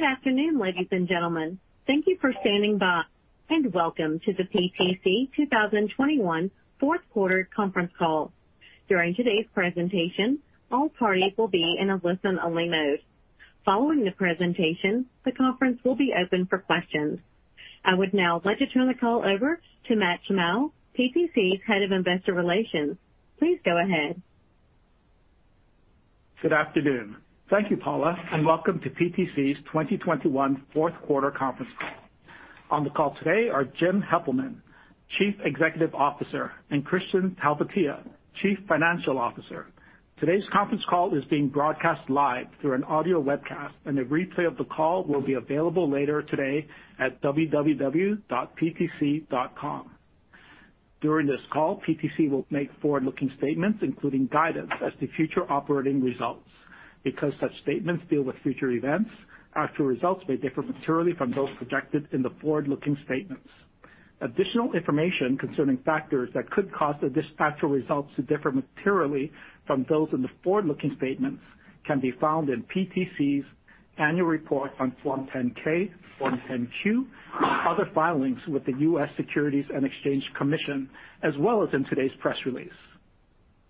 Good afternoon, ladies and gentlemen. Thank you for standing by, and welcome to the PTC 2021 fourth quarter conference call. During today's presentation, all parties will be in a listen-only mode. Following the presentation, the conference will be open for questions. I would now like to turn the call over to Matt Shimao, PTC's Head of Investor Relations. Please go ahead. Good afternoon. Thank you, Paula, and welcome to PTC's 2021 fourth quarter conference call. On the call today are Jim Heppelmann, Chief Executive Officer, and Kristian Talvitie, Chief Financial Officer. Today's conference call is being broadcast live through an audio webcast, and a replay of the call will be available later today at www.ptc.com. During this call, PTC will make forward-looking statements, including guidance as to future operating results. Because such statements deal with future events, actual results may differ materially from those projected in the forward-looking statements. Additional information concerning factors that could cause the actual results to differ materially from those in the forward-looking statements can be found in PTC's annual report on Form 10-K, Form 10-Q, other filings with the U.S. Securities and Exchange Commission, as well as in today's press release.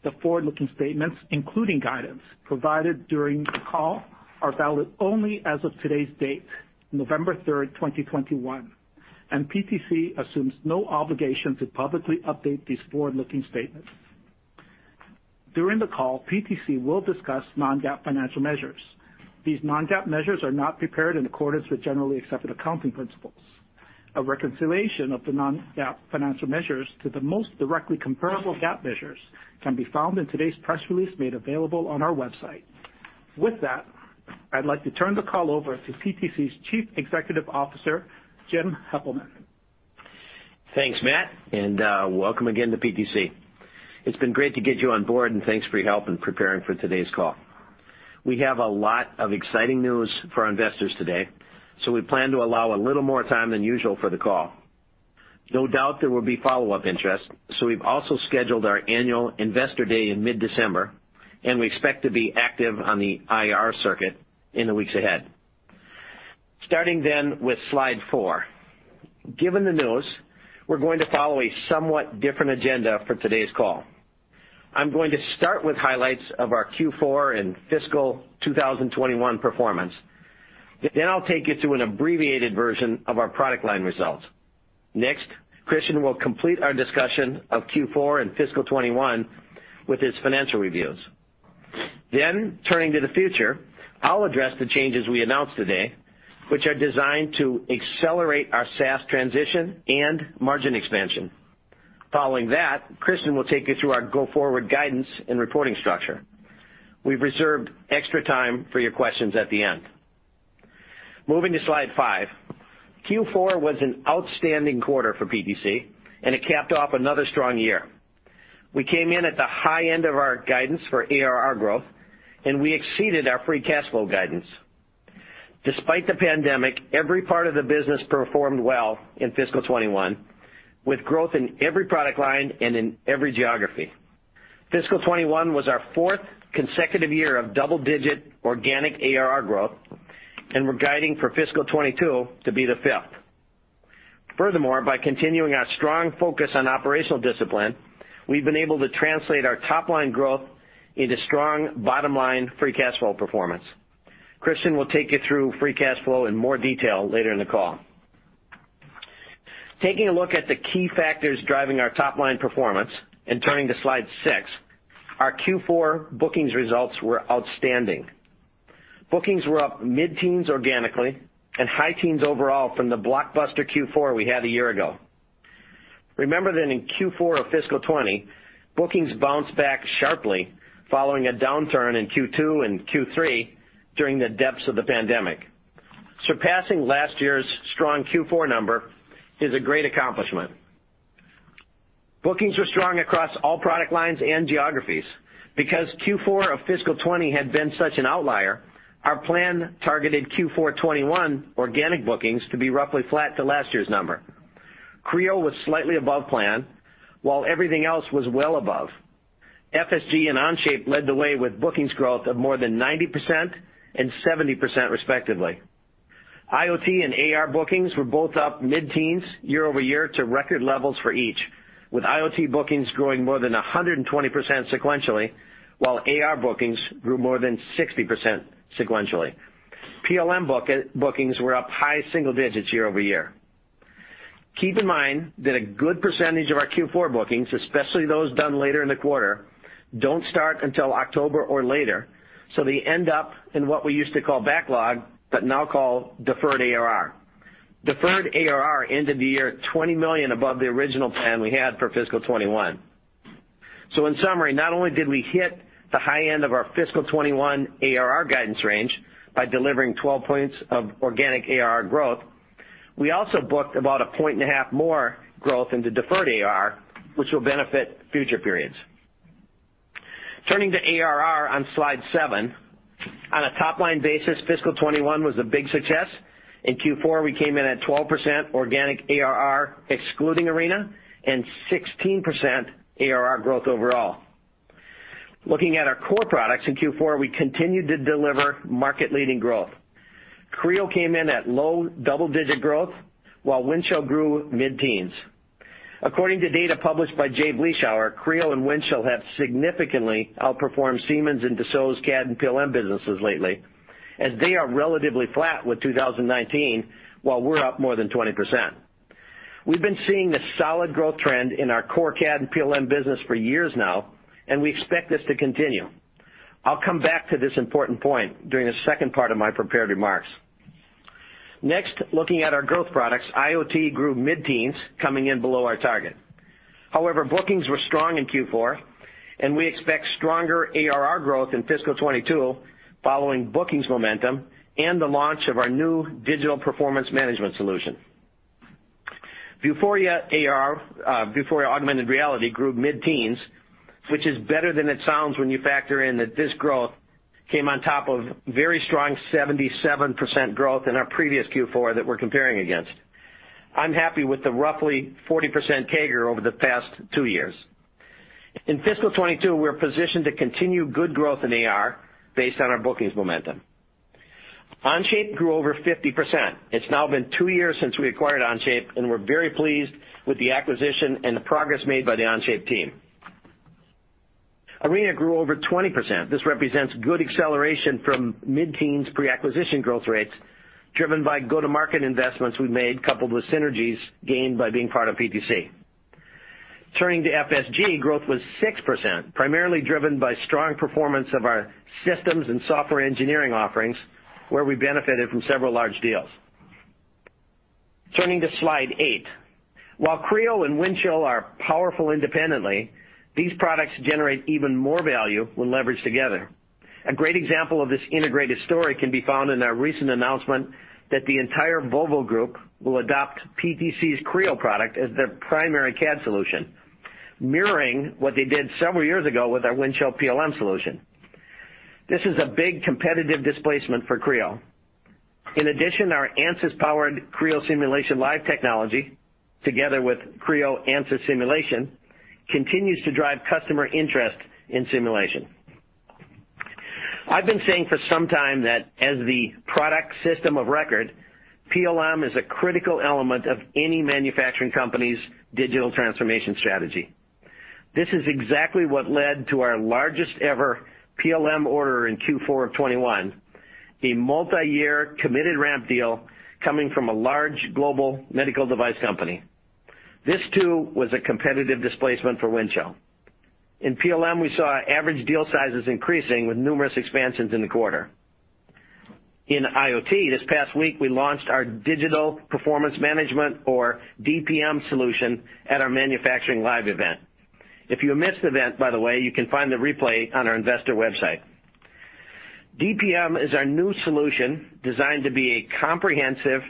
The forward-looking statements, including guidance provided during the call, are valid only as of today's date, November 3rd, 2021, and PTC assumes no obligation to publicly update these forward-looking statements. During the call, PTC will discuss non-GAAP financial measures. These non-GAAP measures are not prepared in accordance with generally accepted accounting principles. A reconciliation of the non-GAAP financial measures to the most directly comparable GAAP measures can be found in today's press release made available on our website. With that, I'd like to turn the call over to PTC's Chief Executive Officer, Jim Heppelmann. Thanks, Matt, and welcome again to PTC. It's been great to get you on board, and thanks for your help in preparing for today's call. We have a lot of exciting news for our investors today, so we plan to allow a little more time than usual for the call. No doubt there will be follow-up interest, so we've also scheduled our annual investor day in mid-December, and we expect to be active on the IR circuit in the weeks ahead. Starting then with slide four. Given the news, we're going to follow a somewhat different agenda for today's call. I'm going to start with highlights of our Q4 and fiscal 2021 performance. Then I'll take you through an abbreviated version of our product line results. Next, Kristian will complete our discussion of Q4 and fiscal 2021 with his financial reviews. Turning to the future, I'll address the changes we announced today, which are designed to accelerate our SaaS transition and margin expansion. Following that, Kristian will take you through our go-forward guidance and reporting structure. We've reserved extra time for your questions at the end. Moving to slide five. Q4 was an outstanding quarter for PTC, and it capped off another strong year. We came in at the high end of our guidance for ARR growth, and we exceeded our free cash flow guidance. Despite the pandemic, every part of the business performed well in fiscal 2021, with growth in every product line and in every geography. Fiscal 2021 was our fourth consecutive year of double-digit organic ARR growth, and we're guiding for fiscal 2022 to be the fifth. Furthermore, by continuing our strong focus on operational discipline, we've been able to translate our top-line growth into strong bottom-line free cash flow performance. Kristian will take you through free cash flow in more detail later in the call. Taking a look at the key factors driving our top-line performance and turning to slide six, our Q4 bookings results were outstanding. Bookings were up mid-teens organically and high teens overall from the blockbuster Q4 we had a year ago. Remember that in Q4 of fiscal 2020, bookings bounced back sharply following a downturn in Q2 and Q3 during the depths of the pandemic. Surpassing last year's strong Q4 number is a great accomplishment. Bookings were strong across all product lines and geographies. Because Q4 of fiscal 2020 had been such an outlier, our plan targeted Q4 2021 organic bookings to be roughly flat to last year's number. Creo was slightly above plan, while everything else was well above. FSG and Onshape led the way with bookings growth of more than 90% and 70% respectively. IoT and AR bookings were both up mid-teens year-over-year to record levels for each, with IoT bookings growing more than 120% sequentially, while AR bookings grew more than 60% sequentially. PLM bookings were up high single digits year-over-year. Keep in mind that a good percentage of our Q4 bookings, especially those done later in the quarter, don't start until October or later, so they end up in what we used to call backlog but now call deferred ARR. Deferred ARR ended the year $20 million above the original plan we had for fiscal 2021. In summary, not only did we hit the high end of our fiscal 2021 ARR guidance range by delivering 12 points of organic ARR growth, we also booked about 0.5 points more growth into deferred ARR, which will benefit future periods. Turning to ARR on slide seven. On a top-line basis, fiscal 2021 was a big success. In Q4, we came in at 12% organic ARR excluding Arena and 16% ARR growth overall. Looking at our core products in Q4, we continued to deliver market-leading growth. Creo came in at low double-digit growth while Windchill grew mid-teens. According to data published by Jay Vleeschhouwer, Creo and Windchill have significantly outperformed Siemens and Dassault's CAD and PLM businesses lately, as they are relatively flat with 2019, while we're up more than 20%. We've been seeing a solid growth trend in our core CAD and PLM business for years now, and we expect this to continue. I'll come back to this important point during the second part of my prepared remarks. Next, looking at our growth products, IoT grew mid-teens, coming in below our target. However, bookings were strong in Q4, and we expect stronger ARR growth in fiscal 2022 following bookings momentum and the launch of our new Digital Performance Management solution. Vuforia AR, Vuforia Augmented Reality grew mid-teens, which is better than it sounds when you factor in that this growth came on top of very strong 77% growth in our previous Q4 that we're comparing against. I'm happy with the roughly 40% CAGR over the past two years. In fiscal 2022, we're positioned to continue good growth in AR based on our bookings momentum. Onshape grew over 50%. It's now been two years since we acquired Onshape, and we're very pleased with the acquisition and the progress made by the Onshape team. Arena grew over 20%. This represents good acceleration from mid-teens pre-acquisition growth rates, driven by go-to-market investments we made, coupled with synergies gained by being part of PTC. Turning to FSG, growth was 6%, primarily driven by strong performance of our systems and software engineering offerings, where we benefited from several large deals. Turning to slide eight. While Creo and Windchill are powerful independently, these products generate even more value when leveraged together. A great example of this integrated story can be found in our recent announcement that the entire Volvo Group will adopt PTC's Creo product as their primary CAD solution, mirroring what they did several years ago with our Windchill PLM solution. This is a big competitive displacement for Creo. In addition, our Ansys-powered Creo Simulation Live technology, together with Creo Ansys Simulation, continues to drive customer interest in simulation. I've been saying for some time that as the product system of record, PLM is a critical element of any manufacturing company's digital transformation strategy. This is exactly what led to our largest ever PLM order in Q4 of 2021, a multiyear committed ramp deal coming from a large global medical device company. This, too, was a competitive displacement for Windchill. In PLM, we saw average deal sizes increasing with numerous expansions in the quarter. In IoT, this past week, we launched our Digital Performance Management, or DPM, solution at our Manufacturing Live event. If you missed the event, by the way, you can find the replay on our investor website. DPM is our new solution designed to be a comprehensive,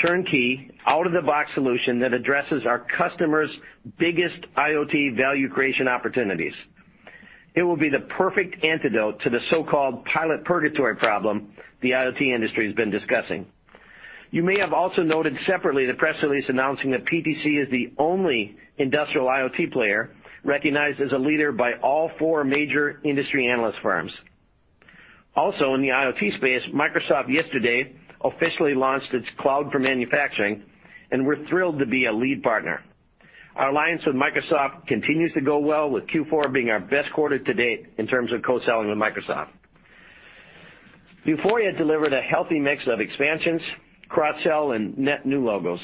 turnkey, out-of-the-box solution that addresses our customers' biggest IoT value creation opportunities. It will be the perfect antidote to the so-called pilot purgatory problem the IoT industry has been discussing. You may have also noted separately the press release announcing that PTC is the only industrial IoT player recognized as a leader by all four major industry analyst firms. Also, in the IoT space, Microsoft yesterday officially launched its Microsoft Cloud for Manufacturing, and we're thrilled to be a lead partner. Our alliance with Microsoft continues to go well, with Q4 being our best quarter to date in terms of co-selling with Microsoft. Vuforia delivered a healthy mix of expansions, cross-sell, and net new logos.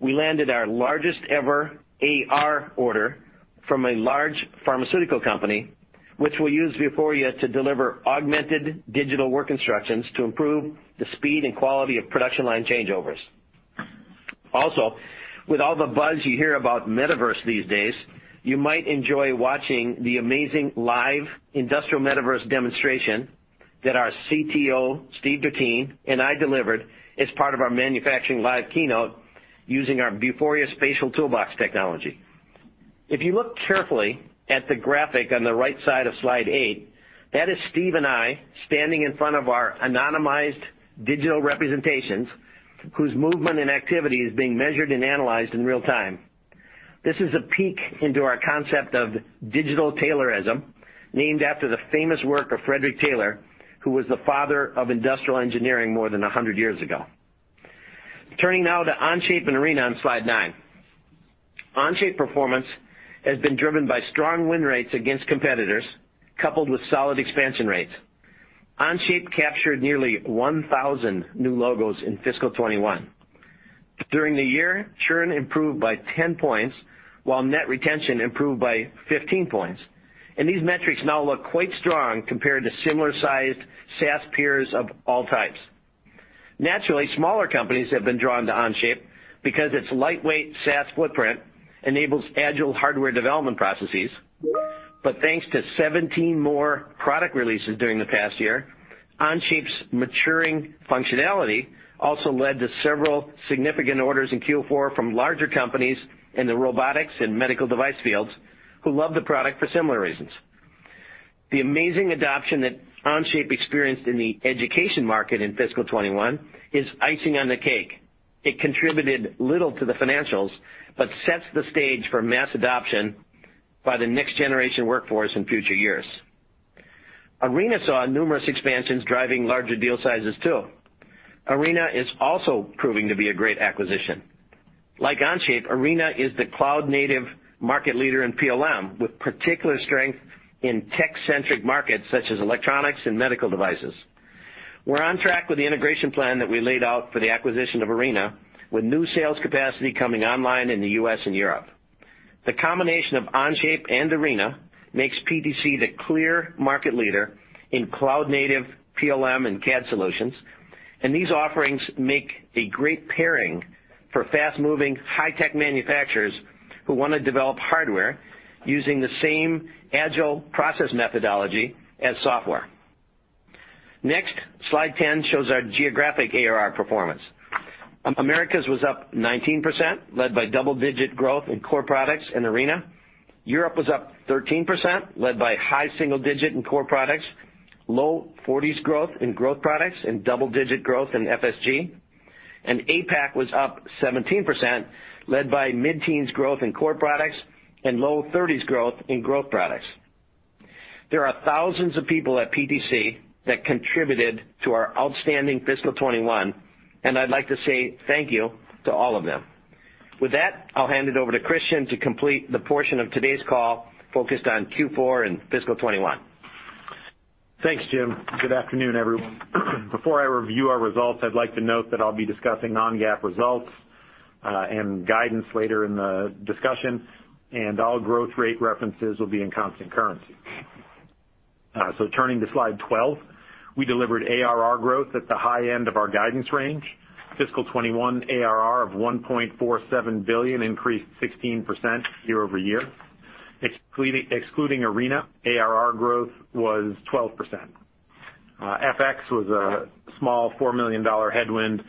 We landed our largest ever AR order from a large pharmaceutical company, which will use Vuforia to deliver augmented digital work instructions to improve the speed and quality of production line changeovers. With all the buzz you hear about metaverse these days, you might enjoy watching the amazing live industrial metaverse demonstration that our CTO, Steve Dertien, and I delivered as part of our Manufacturing Live keynote using our Vuforia Spatial Toolbox technology. If you look carefully at the graphic on the right side of slide eight, that is Steve and I standing in front of our anonymized digital representations whose movement and activity is being measured and analyzed in real time. This is a peek into our concept of digital Taylorism, named after the famous work of Frederick Taylor, who was the father of industrial engineering more than 100 years ago. Turning now to Onshape and Arena on slide nine. Onshape performance has been driven by strong win rates against competitors, coupled with solid expansion rates. Onshape captured nearly 1,000 new logos in fiscal 2021. During the year, churn improved by 10 points, while net retention improved by 15 points. These metrics now look quite strong compared to similar-sized SaaS peers of all types. Naturally, smaller companies have been drawn to Onshape because its lightweight SaaS footprint enables agile hardware development processes. But thanks to 17 more product releases during the past year, Onshape's maturing functionality also led to several significant orders in Q4 from larger companies in the robotics and medical device fields who love the product for similar reasons. The amazing adoption that Onshape experienced in the education market in fiscal 2021 is icing on the cake. It contributed little to the financials, but sets the stage for mass adoption by the next generation workforce in future years. Arena saw numerous expansions driving larger deal sizes too. Arena is also proving to be a great acquisition. Like Onshape, Arena is the cloud-native market leader in PLM, with particular strength in tech-centric markets such as electronics and medical devices. We're on track with the integration plan that we laid out for the acquisition of Arena, with new sales capacity coming online in the U.S. and Europe. The combination of Onshape and Arena makes PTC the clear market leader in cloud-native PLM and CAD solutions, and these offerings make a great pairing for fast-moving high-tech manufacturers who wanna develop hardware using the same agile process methodology as software. Next, slide 10 shows our geographic ARR performance. Americas was up 19%, led by double-digit growth in core products in Arena. Europe was up 13%, led by high single digit in core products, low 40s growth in growth products, and double-digit growth in FSG. APAC was up 17%, led by mid-teens growth in core products and low 30s growth in growth products. There are thousands of people at PTC that contributed to our outstanding fiscal 2021, and I'd like to say thank you to all of them. With that, I'll hand it over to Kristian to complete the portion of today's call focused on Q4 and fiscal 2021. Thanks, Jim. Good afternoon, everyone. Before I review our results, I'd like to note that I'll be discussing non-GAAP results and guidance later in the discussion, and all growth rate references will be in constant currency. Turning to slide 12, we delivered ARR growth at the high end of our guidance range. Fiscal 2021 ARR of $1.47 billion increased 16% year-over-year. Excluding Arena, ARR growth was 12%. FX was a small $4 million headwind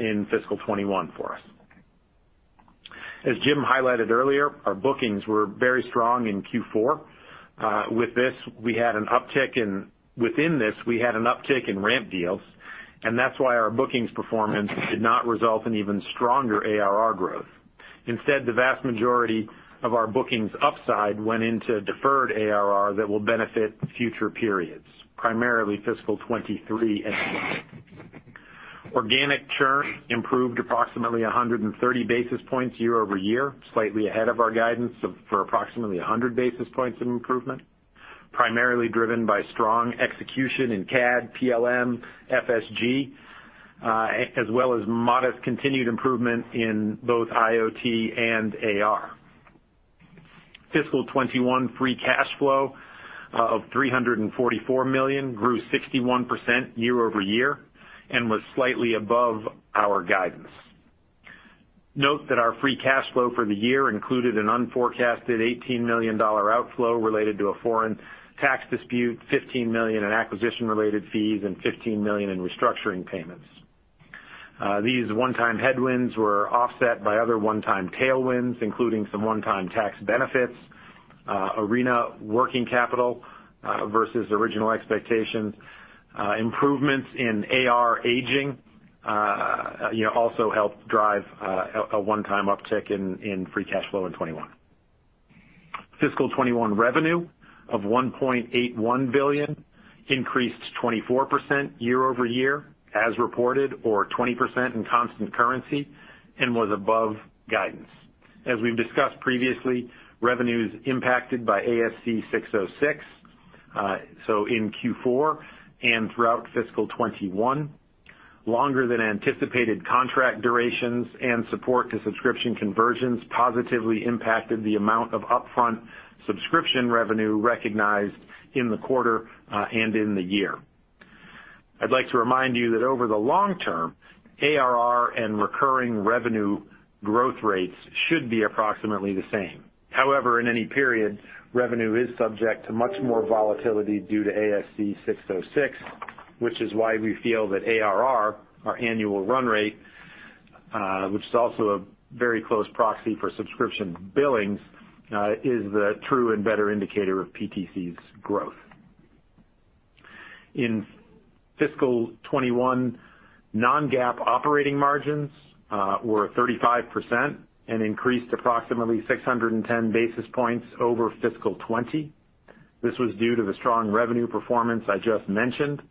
in Fiscal 2021 for us. As Jim highlighted earlier, our bookings were very strong in Q4. Within this, we had an uptick in ramp deals, and that's why our bookings performance did not result in even stronger ARR growth. Instead, the vast majority of our bookings upside went into deferred ARR that will benefit future periods, primarily fiscal 2023 and 2024. Organic churn improved approximately 130 basis points year-over-year, slightly ahead of our guidance of, for approximately 100 basis points of improvement, primarily driven by strong execution in CAD, PLM, FSG, as well as modest continued improvement in both IoT and AR. Fiscal 2021 free cash flow of $344 million grew 61% year-over-year and was slightly above our guidance. Note that our free cash flow for the year included an unforecasted $18 million outflow related to a foreign tax dispute, $15 million in acquisition-related fees, and $15 million in restructuring payments. These one-time headwinds were offset by other one-time tailwinds, including some one-time tax benefits, Arena working capital versus original expectations. Improvements in AR aging, you know, also helped drive a one-time uptick in free cash flow in 2021. Fiscal 2021 revenue of $1.81 billion increased 24% year-over-year as reported or 20% in constant currency and was above guidance. As we've discussed previously, revenue's impacted by ASC 606. In Q4 and throughout fiscal 2021, longer than anticipated contract durations and support to subscription conversions positively impacted the amount of upfront subscription revenue recognized in the quarter and in the year. I'd like to remind you that over the long term, ARR and recurring revenue growth rates should be approximately the same. However, in any period, revenue is subject to much more volatility due to ASC 606, which is why we feel that ARR, our annual run rate, which is also a very close proxy for subscription billings, is the true and better indicator of PTC's growth. In fiscal 2021, non-GAAP operating margins were 35% and increased approximately 610 basis points over fiscal 2020. This was due to the strong revenue performance I just mentioned,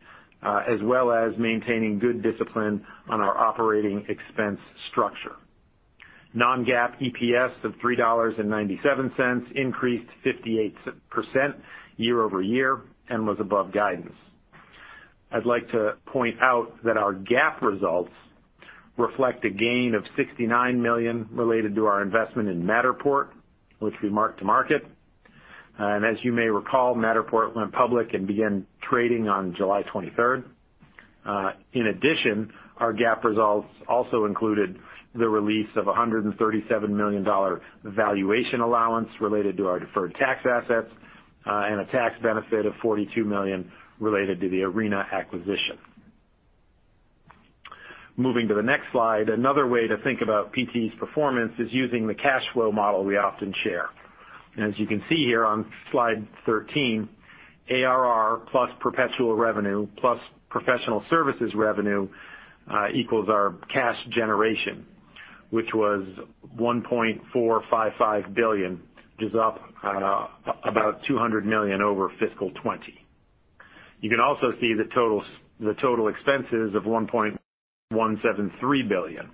as well as maintaining good discipline on our operating expense structure. Non-GAAP EPS of $3.97 increased 58% year-over-year and was above guidance. I'd like to point out that our GAAP results reflect a gain of $69 million related to our investment in Matterport, which we mark-to-market. As you may recall, Matterport went public and began trading on July 23. In addition, our GAAP results also included the release of $137 million valuation allowance related to our deferred tax assets, and a tax benefit of $42 million related to the Arena acquisition. Moving to the next slide, another way to think about PTC's performance is using the cash flow model we often share. As you can see here on slide 13, ARR plus perpetual revenue, plus professional services revenue, equals our cash generation, which was $1.455 billion, which is up about $200 million over fiscal 2020. You can also see the total expenses of $1.173 billion.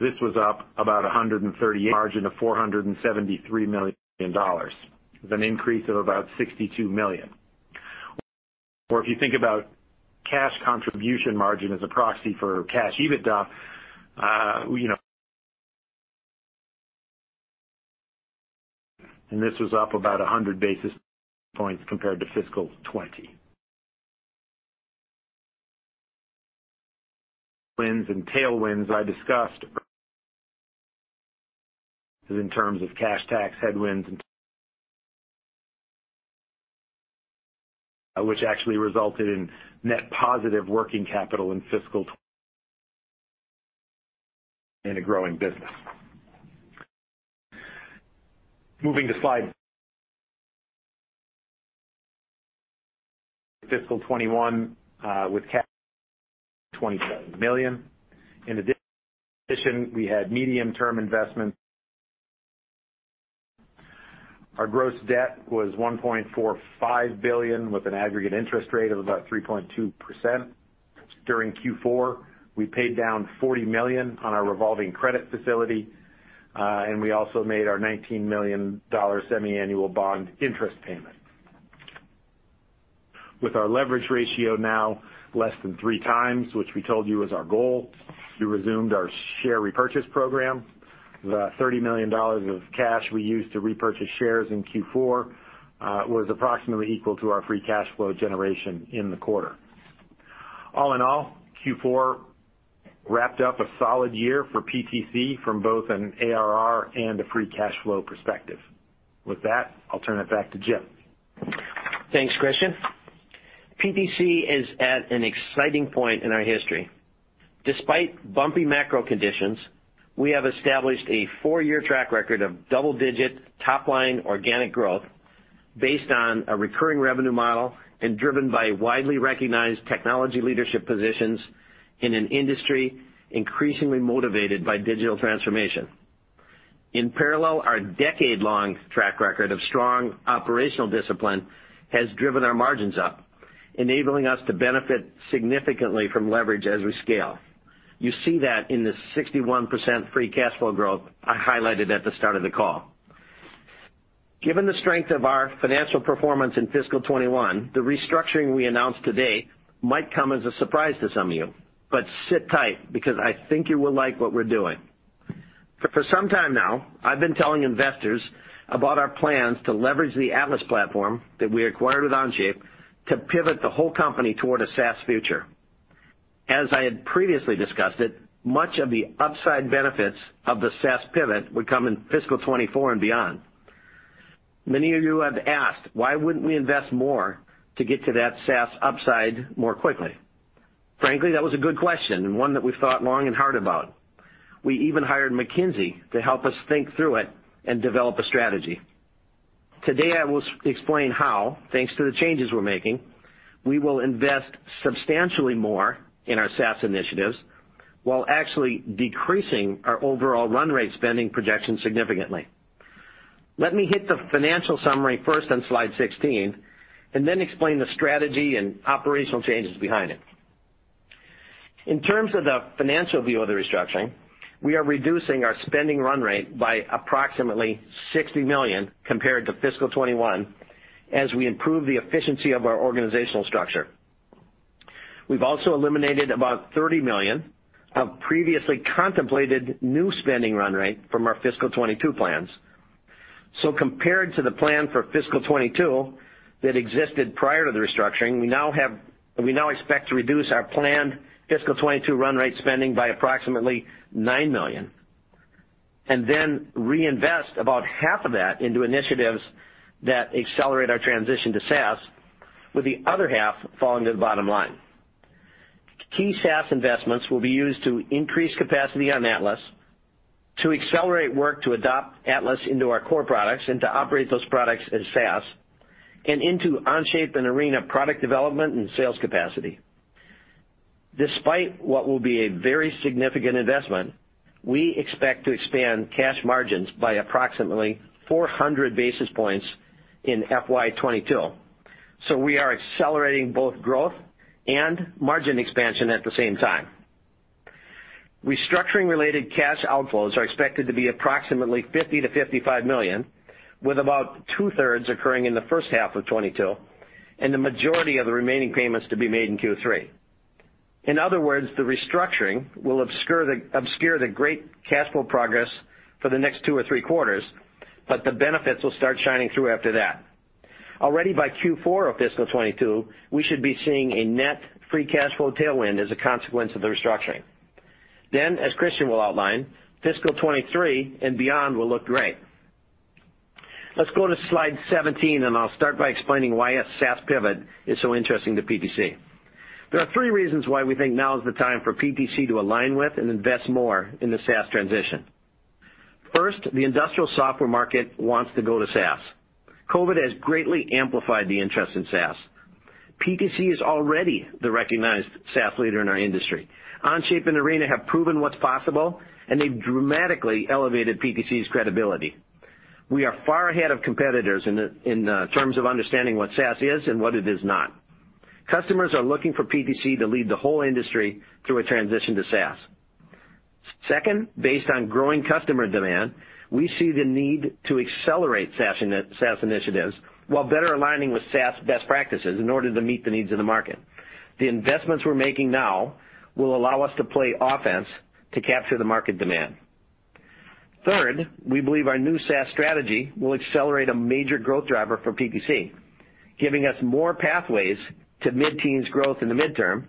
This was up about $138 million. Margin of $473 million, with an increase of about $62 million. If you think about cash contribution margin as a proxy for cash EBITDA, this was up about 100 basis points compared to fiscal 2020. Wins and tailwinds I discussed in terms of cash tax headwinds and which actually resulted in net positive working capital in fiscal 2021 in a growing business. Fiscal 2021 with cash $27 million. In addition, we had medium-term investments. Our gross debt was $1.45 billion with an aggregate interest rate of about 3.2%. During Q4, we paid down $40 million on our revolving credit facility, and we also made our $19 million semi-annual bond interest payment. With our leverage ratio now less than 3x, which we told you was our goal, we resumed our share repurchase program. The $30 million of cash we used to repurchase shares in Q4 was approximately equal to our free cash flow generation in the quarter. All in all, Q4 wrapped up a solid year for PTC from both an ARR and a free cash flow perspective. With that, I'll turn it back to Jim. Thanks, Kristian. PTC is at an exciting point in our history. Despite bumpy macro conditions, we have established a 4-year track record of double-digit top-line organic growth based on a recurring revenue model and driven by widely recognized technology leadership positions in an industry increasingly motivated by digital transformation. In parallel, our decade-long track record of strong operational discipline has driven our margins up, enabling us to benefit significantly from leverage as we scale. You see that in the 61% free cash flow growth I highlighted at the start of the call. Given the strength of our financial performance in fiscal 2021, the restructuring we announced today might come as a surprise to some of you, but sit tight because I think you will like what we're doing. For some time now, I've been telling investors about our plans to leverage the Atlas platform that we acquired with Onshape to pivot the whole company toward a SaaS future. As I had previously discussed it, much of the upside benefits of the SaaS pivot would come in fiscal 2024 and beyond. Many of you have asked, why wouldn't we invest more to get to that SaaS upside more quickly? Frankly, that was a good question and one that we thought long and hard about. We even hired McKinsey to help us think through it and develop a strategy. Today, I will explain how, thanks to the changes we're making, we will invest substantially more in our SaaS initiatives while actually decreasing our overall run rate spending projections significantly. Let me hit the financial summary first on slide 16 and then explain the strategy and operational changes behind it. In terms of the financial view of the restructuring, we are reducing our spending run rate by approximately $60 million compared to fiscal 2021 as we improve the efficiency of our organizational structure. We've also eliminated about $30 million of previously contemplated new spending run rate from our fiscal 2022 plans. Compared to the plan for fiscal 2022 that existed prior to the restructuring, we now expect to reduce our planned fiscal 2022 run rate spending by approximately $9 million and then reinvest about half of that into initiatives that accelerate our transition to SaaS, with the other half falling to the bottom line. Key SaaS investments will be used to increase capacity on Atlas, to accelerate work to adopt Atlas into our core products and to operate those products as SaaS, and into Onshape and Arena product development and sales capacity. Despite what will be a very significant investment, we expect to expand cash margins by approximately 400 basis points in FY 2022. We are accelerating both growth and margin expansion at the same time. Restructuring-related cash outflows are expected to be approximately $50 million-$55 million, with about two-thirds occurring in the first half of 2022 and the majority of the remaining payments to be made in Q3. In other words, the restructuring will obscure the great cash flow progress for the next two or three quarters, but the benefits will start shining through after that. Already by Q4 of fiscal 2022, we should be seeing a net free cash flow tailwind as a consequence of the restructuring. As Kristian will outline, fiscal 2023 and beyond will look great. Let's go to slide 17, and I'll start by explaining why a SaaS pivot is so interesting to PTC. There are three reasons why we think now is the time for PTC to align with and invest more in the SaaS transition. First, the industrial software market wants to go to SaaS. COVID has greatly amplified the interest in SaaS. PTC is already the recognized SaaS leader in our industry. Onshape and Arena have proven what's possible, and they've dramatically elevated PTC's credibility. We are far ahead of competitors in terms of understanding what SaaS is and what it is not. Customers are looking for PTC to lead the whole industry through a transition to SaaS. Second, based on growing customer demand, we see the need to accelerate SaaS initiatives while better aligning with SaaS best practices in order to meet the needs of the market. The investments we're making now will allow us to play offense to capture the market demand. Third, we believe our new SaaS strategy will accelerate a major growth driver for PTC, giving us more pathways to mid-teens growth in the midterm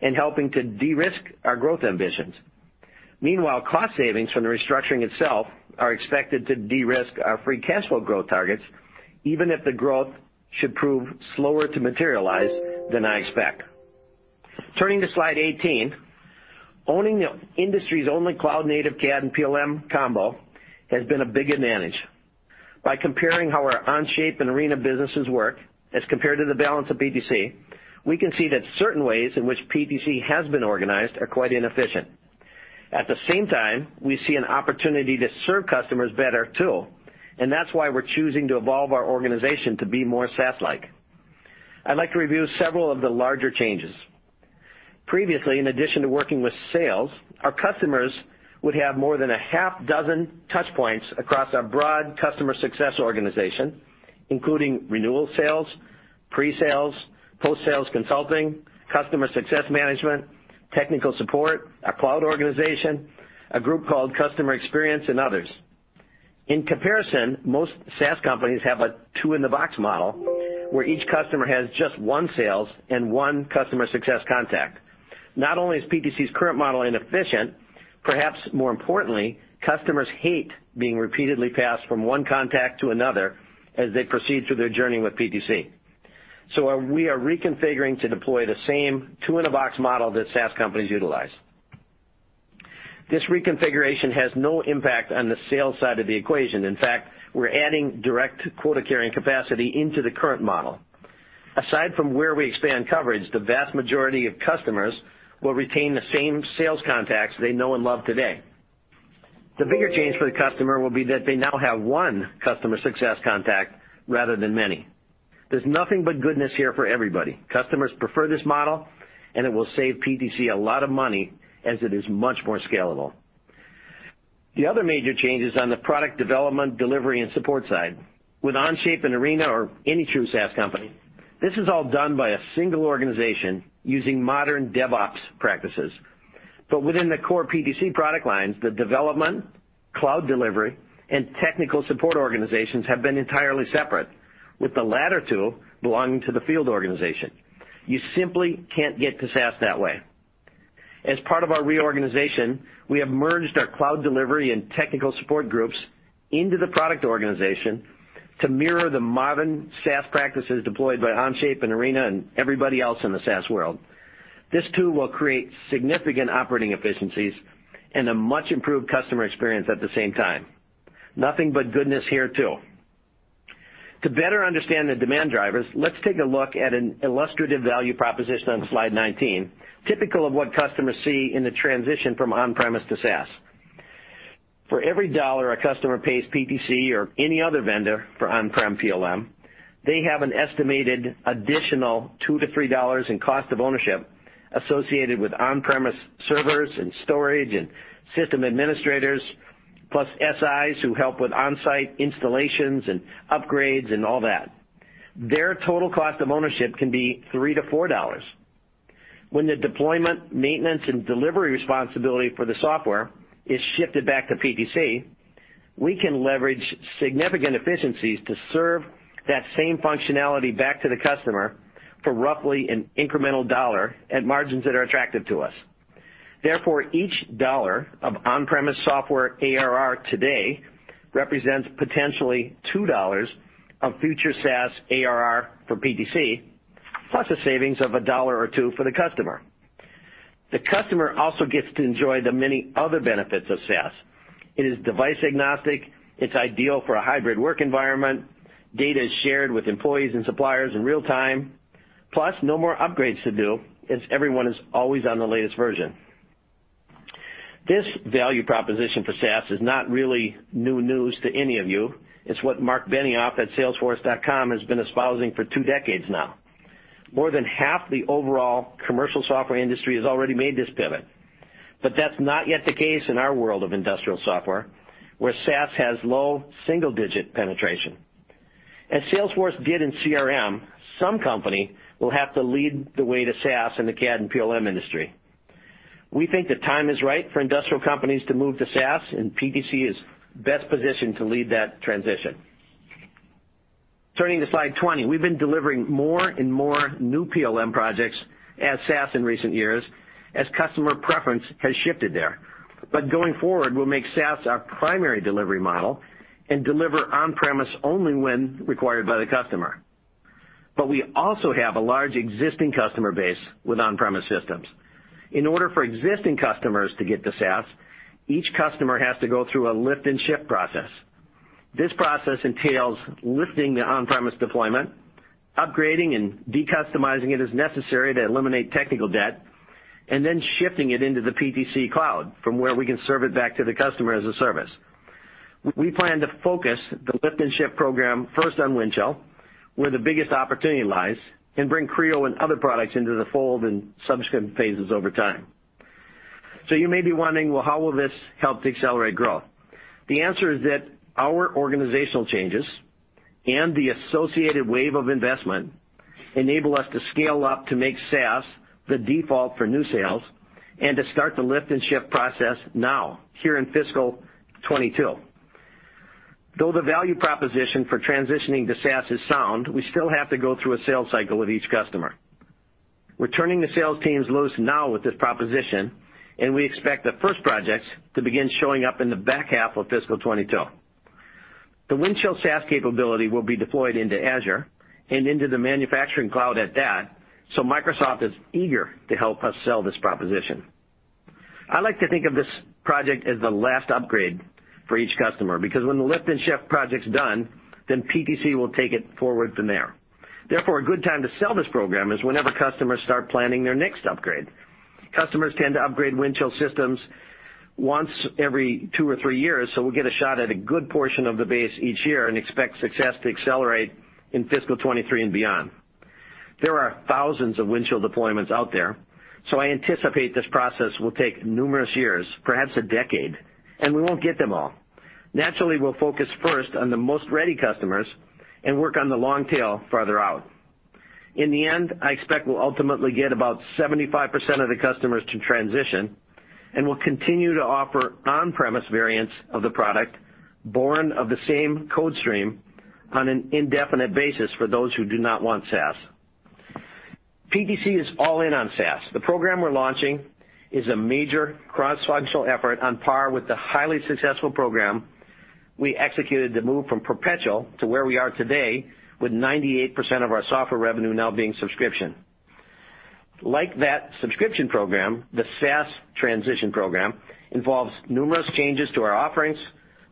and helping to de-risk our growth ambitions. Meanwhile, cost savings from the restructuring itself are expected to de-risk our free cash flow growth targets, even if the growth should prove slower to materialize than I expect. Turning to slide 18, owning the industry's only cloud-native CAD and PLM combo has been a big advantage. By comparing how our Onshape and Arena businesses work as compared to the balance of PTC, we can see that certain ways in which PTC has been organized are quite inefficient. At the same time, we see an opportunity to serve customers better too, and that's why we're choosing to evolve our organization to be more SaaS-like. I'd like to review several of the larger changes. Previously, in addition to working with sales, our customers would have more than a half dozen touch points across our broad customer success organization, including renewal sales, pre-sales, post-sales consulting, customer success management, technical support, our cloud organization, a group called Customer Experience, and others. In comparison, most SaaS companies have a two-in-the-box model where each customer has just one sales and one customer success contact. Not only is PTC's current model inefficient, perhaps more importantly, customers hate being repeatedly passed from one contact to another as they proceed through their journey with PTC. We are reconfiguring to deploy the same two-in-a-box model that SaaS companies utilize. This reconfiguration has no impact on the sales side of the equation. In fact, we're adding direct quota-carrying capacity into the current model. Aside from where we expand coverage, the vast majority of customers will retain the same sales contacts they know and love today. The bigger change for the customer will be that they now have one customer success contact rather than many. There's nothing but goodness here for everybody. Customers prefer this model, and it will save PTC a lot of money as it is much more scalable. The other major change is on the product development, delivery, and support side. With Onshape and Arena or any true SaaS company, this is all done by a single organization using modern DevOps practices. Within the core PTC product lines, the development, cloud delivery, and technical support organizations have been entirely separate, with the latter two belonging to the field organization. You simply can't get to SaaS that way. As part of our reorganization, we have merged our cloud delivery and technical support groups into the product organization to mirror the modern SaaS practices deployed by Onshape and Arena and everybody else in the SaaS world. This too will create significant operating efficiencies and a much-improved customer experience at the same time. Nothing but goodness here too. To better understand the demand drivers, let's take a look at an illustrative value proposition on slide 19, typical of what customers see in the transition from on-premise to SaaS. For every $1 a customer pays PTC or any other vendor for on-prem PLM, they have an estimated additional $2-$3 in cost of ownership associated with on-premise servers and storage and system administrators, plus SIs who help with on-site installations and upgrades and all that. Their total cost of ownership can be $3-$4. When the deployment, maintenance, and delivery responsibility for the software is shifted back to PTC, we can leverage significant efficiencies to serve that same functionality back to the customer for roughly an incremental $1 at margins that are attractive to us. Therefore, each $1 of on-premise software ARR today represents potentially $2 of future SaaS ARR for PTC, plus a savings of $1 or $2 for the customer. The customer also gets to enjoy the many other benefits of SaaS. It is device agnostic, it's ideal for a hybrid work environment, data is shared with employees and suppliers in real time, plus no more upgrades to do as everyone is always on the latest version. This value proposition for SaaS is not really new news to any of you. It's what Marc Benioff at salesforce.com has been espousing for two decades now. More than half the overall commercial software industry has already made this pivot. That's not yet the case in our world of industrial software, where SaaS has low single-digit penetration. As Salesforce did in CRM, some company will have to lead the way to SaaS in the CAD and PLM industry. We think the time is right for industrial companies to move to SaaS, and PTC is best positioned to lead that transition. Turning to Slide 20. We've been delivering more and more new PLM projects as SaaS in recent years as customer preference has shifted there. Going forward, we'll make SaaS our primary delivery model and deliver on-premise only when required by the customer. We also have a large existing customer base with on-premise systems. In order for existing customers to get to SaaS, each customer has to go through a lift and shift process. This process entails lifting the on-premise deployment, upgrading and de-customizing it as necessary to eliminate technical debt, and then shifting it into the PTC cloud from where we can serve it back to the customer as a service. We plan to focus the lift and shift program first on Windchill, where the biggest opportunity lies, and bring Creo and other products into the fold in subsequent phases over time. You may be wondering, well, how will this help to accelerate growth? The answer is that our organizational changes and the associated wave of investment enable us to scale up to make SaaS the default for new sales and to start the lift and shift process now here in fiscal 2022. Though the value proposition for transitioning to SaaS is sound, we still have to go through a sales cycle with each customer. We're turning the sales teams loose now with this proposition, and we expect the first projects to begin showing up in the back half of fiscal 2022. The Windchill SaaS capability will be deployed into Azure and into the manufacturing cloud at that, so Microsoft is eager to help us sell this proposition. I like to think of this project as the last upgrade for each customer, because when the lift and shift project's done, then PTC will take it forward from there. Therefore, a good time to sell this program is whenever customers start planning their next upgrade. Customers tend to upgrade Windchill systems once every two or three years, so we'll get a shot at a good portion of the base each year and expect success to accelerate in fiscal 2023 and beyond. There are thousands of Windchill deployments out there, so I anticipate this process will take numerous years, perhaps a decade, and we won't get them all. Naturally, we'll focus first on the most ready customers and work on the long tail further out. In the end, I expect we'll ultimately get about 75% of the customers to transition, and we'll continue to offer on-premise variants of the product born of the same code stream on an indefinite basis for those who do not want SaaS. PTC is all in on SaaS. The program we're launching is a major cross-functional effort on par with the highly successful program we executed to move from perpetual to where we are today, with 98% of our software revenue now being subscription. Like that subscription program, the SaaS transition program involves numerous changes to our offerings,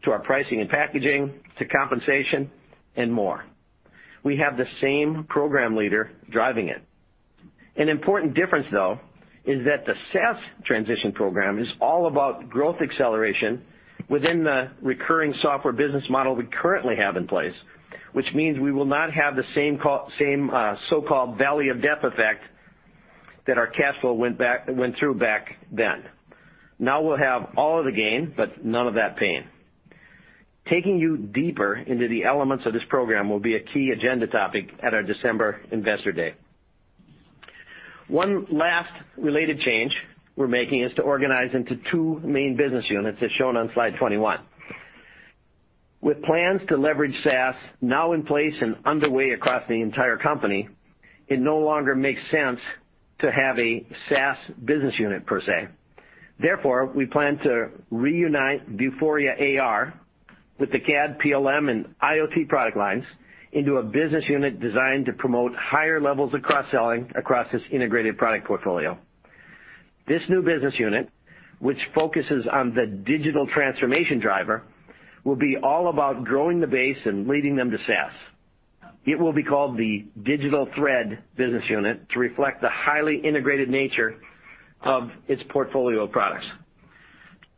to our pricing and packaging, to compensation, and more. We have the same program leader driving it. An important difference, though, is that the SaaS transition program is all about growth acceleration within the recurring software business model we currently have in place, which means we will not have the same so-called valley of death effect that our cash flow went through back then. Now we'll have all of the gain but none of that pain. Taking you deeper into the elements of this program will be a key agenda topic at our December Investor Day. One last related change we're making is to organize into two main business units, as shown on Slide 21. With plans to leverage SaaS now in place and underway across the entire company, it no longer makes sense to have a SaaS business unit per se. Therefore, we plan to reunite Vuforia AR with the CAD, PLM, and IoT product lines into a business unit designed to promote higher levels of cross-selling across this integrated product portfolio. This new business unit, which focuses on the digital transformation driver, will be all about growing the base and leading them to SaaS. It will be called the Digital Thread Business Unit to reflect the highly integrated nature of its portfolio of products.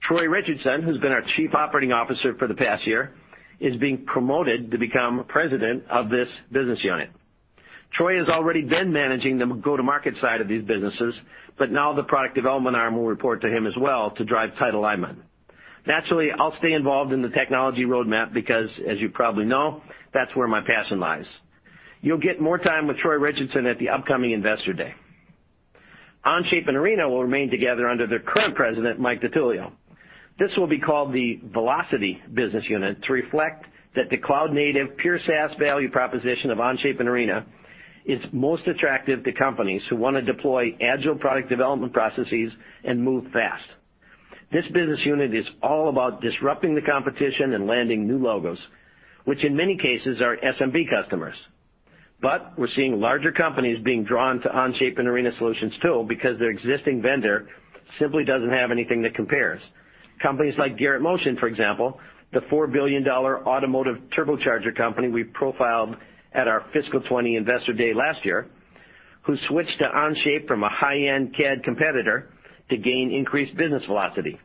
Troy Richardson, who's been our Chief Operating Officer for the past year, is being promoted to become President of this business unit. Troy has already been managing the go-to-market side of these businesses, but now the product development arm will report to him as well to drive title alignment. Naturally, I'll stay involved in the technology roadmap because, as you probably know, that's where my passion lies. You'll get more time with Troy Richardson at the upcoming Investor Day. Onshape and Arena will remain together under their current president, Mike DiTullio. This will be called the Velocity Business Unit to reflect that the cloud-native, pure SaaS value proposition of Onshape and Arena is most attractive to companies who want to deploy agile product development processes and move fast. This business unit is all about disrupting the competition and landing new logos, which in many cases are SMB customers. We're seeing larger companies being drawn to Onshape and Arena Solutions too because their existing vendor simply doesn't have anything that compares. Companies like Garrett Motion, for example, the $4 billion automotive turbocharger company we profiled at our fiscal 2020 Investor Day last year, who switched to Onshape from a high-end CAD competitor to gain increased business velocity.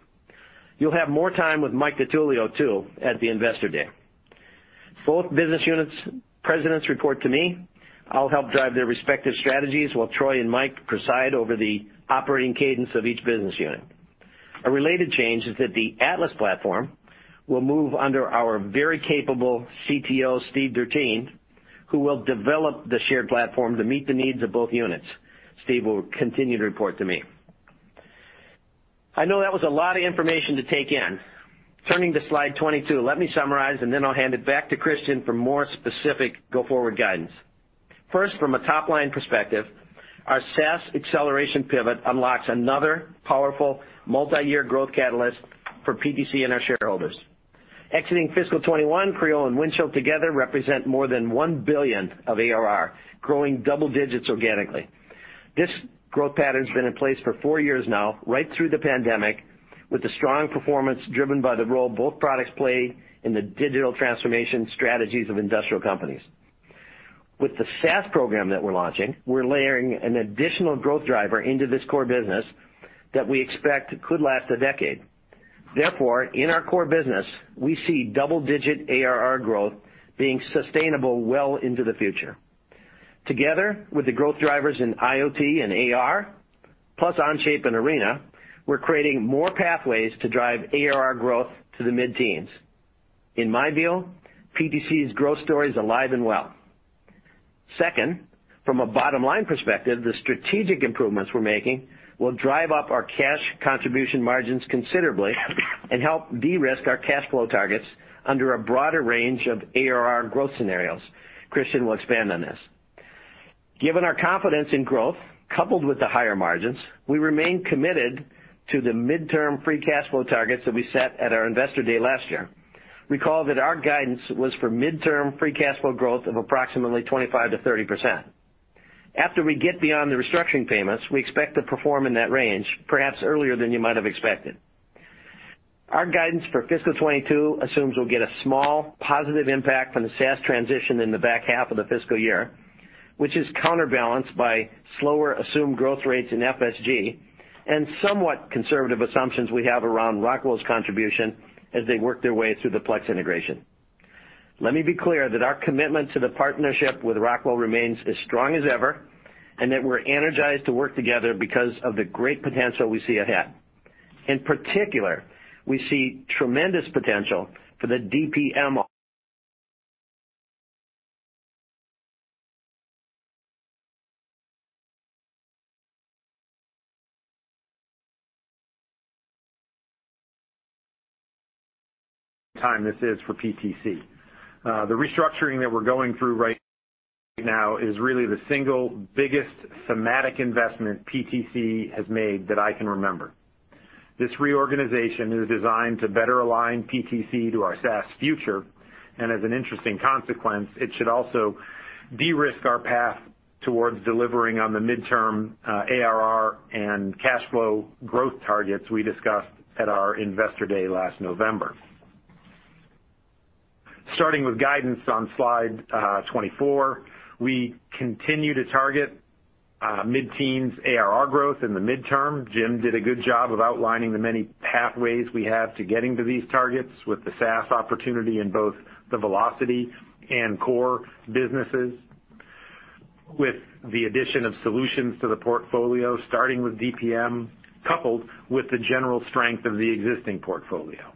You'll have more time with Mike DiTullio too at the Investor Day. Both business units' presidents report to me. I'll help drive their respective strategies while Troy and Mike preside over the operating cadence of each business unit. A related change is that the Atlas platform will move under our very capable CTO, Steve Dertien, who will develop the shared platform to meet the needs of both units. Steve will continue to report to me. I know that was a lot of information to take in. Turning to slide 22, let me summarize, and then I'll hand it back to Kristian for more specific go-forward guidance. First, from a top-line perspective, our SaaS acceleration pivot unlocks another powerful multi-year growth catalyst for PTC and our shareholders. Exiting fiscal 2021, Creo and Windchill together represent more than 1 billion of ARR, growing double digits organically. This growth pattern has been in place for four years now, right through the pandemic, with a strong performance driven by the role both products play in the digital transformation strategies of industrial companies. With the SaaS program that we're launching, we're layering an additional growth driver into this core business that we expect could last a decade. Therefore, in our core business, we see double-digit ARR growth being sustainable well into the future. Together with the growth drivers in IoT and AR, plus Onshape and Arena, we're creating more pathways to drive ARR growth to the mid-teens. In my view, PTC's growth story is alive and well. Second, from a bottom-line perspective, the strategic improvements we're making will drive up our cash contribution margins considerably and help de-risk our cash flow targets under a broader range of ARR growth scenarios. Kristian will expand on this. Given our confidence in growth, coupled with the higher margins, we remain committed to the midterm free cash flow targets that we set at our Investor Day last year. Recall that our guidance was for midterm free cash flow growth of approximately 25%-30%. After we get beyond the restructuring payments, we expect to perform in that range, perhaps earlier than you might have expected. Our guidance for FY 2022 assumes we'll get a small positive impact from the SaaS transition in the back half of the fiscal year, which is counterbalanced by slower assumed growth rates in FSG and somewhat conservative assumptions we have around Rockwell's contribution as they work their way through the Plex integration. Let me be clear that our commitment to the partnership with Rockwell remains as strong as ever, and that we're energized to work together because of the great potential we see ahead. In particular, we see tremendous potential for the DPM. At this time, this is for PTC. The restructuring that we're going through right now is really the single biggest thematic investment PTC has made that I can remember. This reorganization is designed to better align PTC to our SaaS future, and as an interesting consequence, it should also de-risk our path towards delivering on the midterm ARR and cash flow growth targets we discussed at our Investor Day last November. Starting with guidance on slide 24, we continue to target mid-teens ARR growth in the midterm. Jim did a good job of outlining the many pathways we have to getting to these targets with the SaaS opportunity in both the Velocity and Core businesses. With the addition of solutions to the portfolio, starting with DPM, coupled with the general strength of the existing portfolio.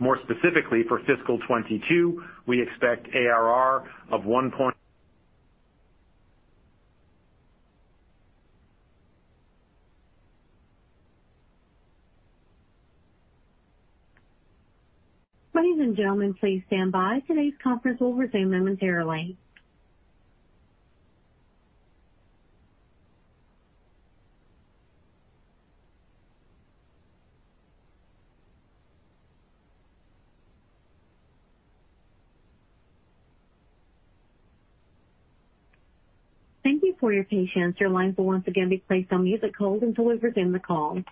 More specifically, for fiscal 2022, we expect ARR of one point- Ladies and gentlemen, please stand by. Today's conference will resume momentarily. Thank you for your patience. Your lines will once again be placed on mute that hold until we resume the call.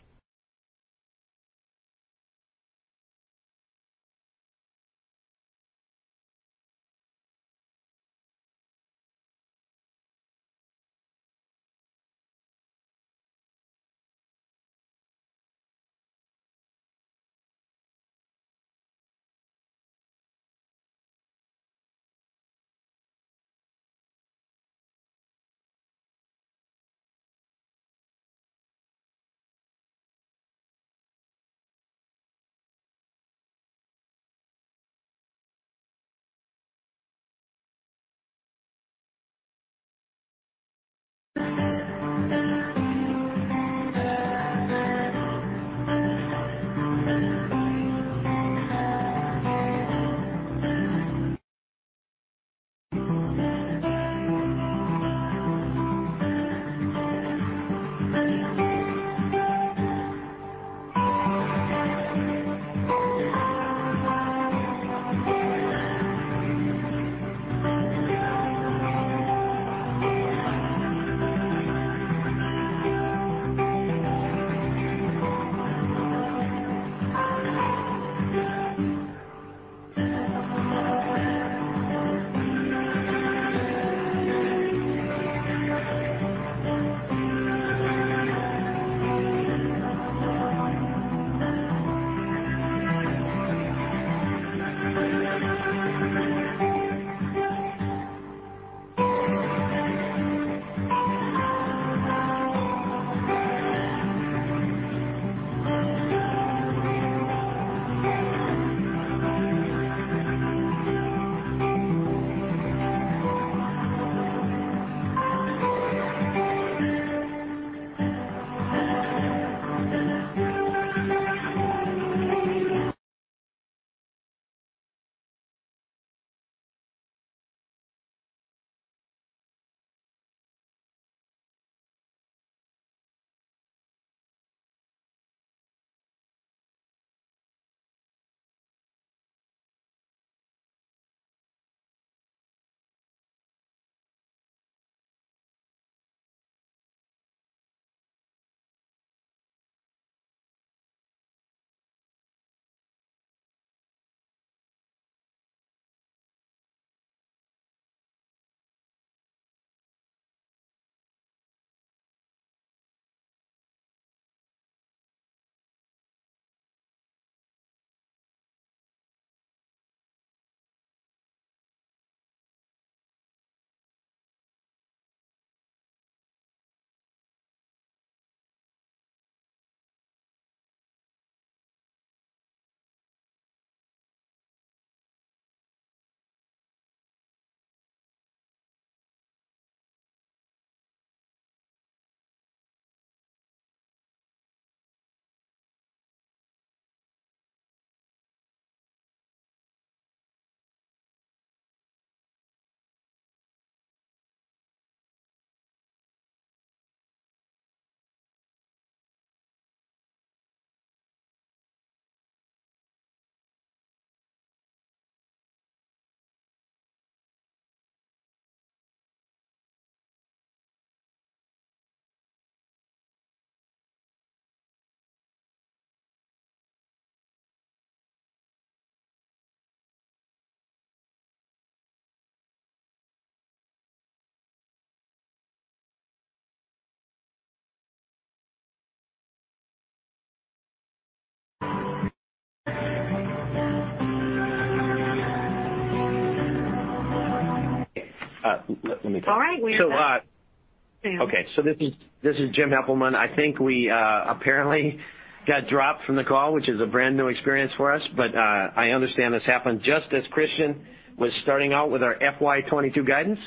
Let me talk. All right. We are back. Okay. This is Jim Heppelmann. I think we apparently got dropped from the call, which is a brand new experience for us, but I understand this happened just as Kristian was starting out with our FY 2022 guidance.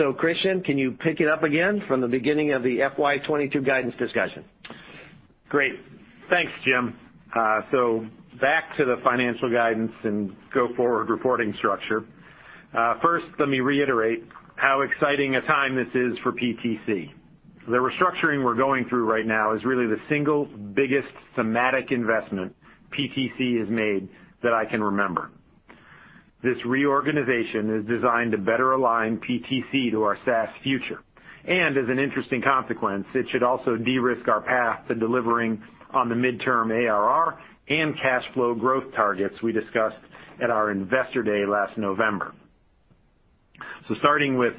Kristian, can you pick it up again from the beginning of the FY 2022 guidance discussion? Great. Thanks, Jim. Back to the financial guidance and go-forward reporting structure. First, let me reiterate how exciting a time this is for PTC. The restructuring we're going through right now is really the single biggest thematic investment PTC has made that I can remember. This reorganization is designed to better align PTC to our SaaS future. As an interesting consequence, it should also de-risk our path to delivering on the midterm ARR and cash flow growth targets we discussed at our Investor Day last November. Starting with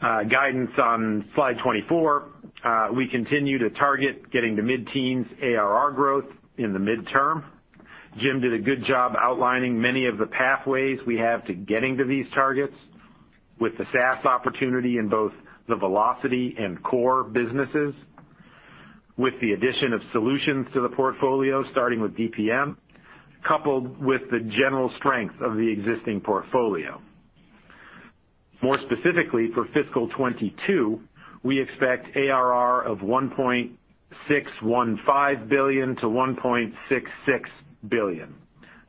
guidance on slide 24, we continue to target getting to mid-teens ARR growth in the midterm. Jim did a good job outlining many of the pathways we have to getting to these targets with the SaaS opportunity in both the velocity and core businesses, with the addition of solutions to the portfolio, starting with DPM, coupled with the general strength of the existing portfolio. More specifically, for fiscal 2022, we expect ARR of $1.615 billion-$1.66 billion.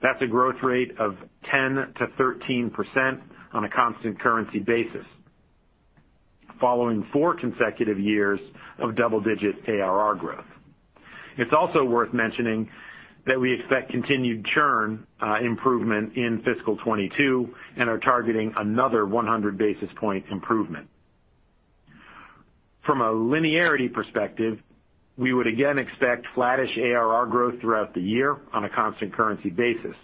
That's a growth rate of 10%-13% on a constant currency basis, following four consecutive years of double-digit ARR growth. It's also worth mentioning that we expect continued churn improvement in fiscal 2022 and are targeting another 100 basis point improvement. From a linearity perspective, we would again expect flattish ARR growth throughout the year on a constant currency basis.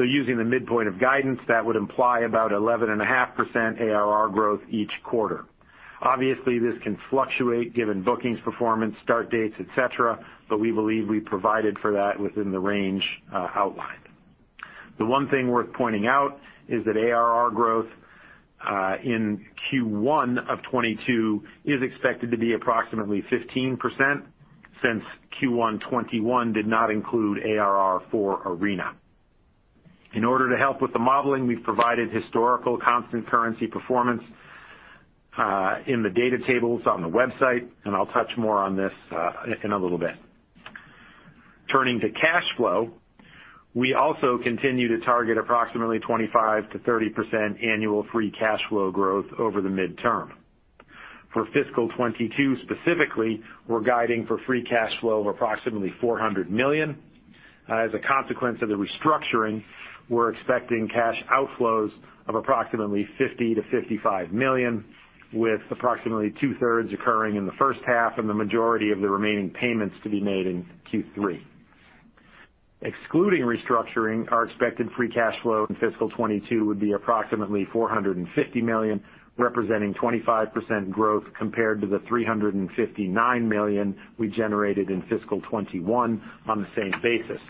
Using the midpoint of guidance, that would imply about 11.5% ARR growth each quarter. Obviously, this can fluctuate given bookings, performance, start dates, et cetera, but we believe we provided for that within the range outlined. The one thing worth pointing out is that ARR growth in Q1 of 2022 is expected to be approximately 15%, since Q1 2021 did not include ARR for Arena. In order to help with the modeling, we've provided historical constant currency performance in the data tables on the website, and I'll touch more on this in a little bit. Turning to cash flow, we also continue to target approximately 25%-30% annual free cash flow growth over the midterm. For fiscal 2022 specifically, we're guiding for free cash flow of approximately $400 million. As a consequence of the restructuring, we're expecting cash outflows of approximately $50 million-$55 million. With approximately two-thirds occurring in the first half and the majority of the remaining payments to be made in Q3. Excluding restructuring, our expected free cash flow in fiscal 2022 would be approximately $450 million, representing 25% growth compared to the $359 million we generated in fiscal 2021 on the same basis.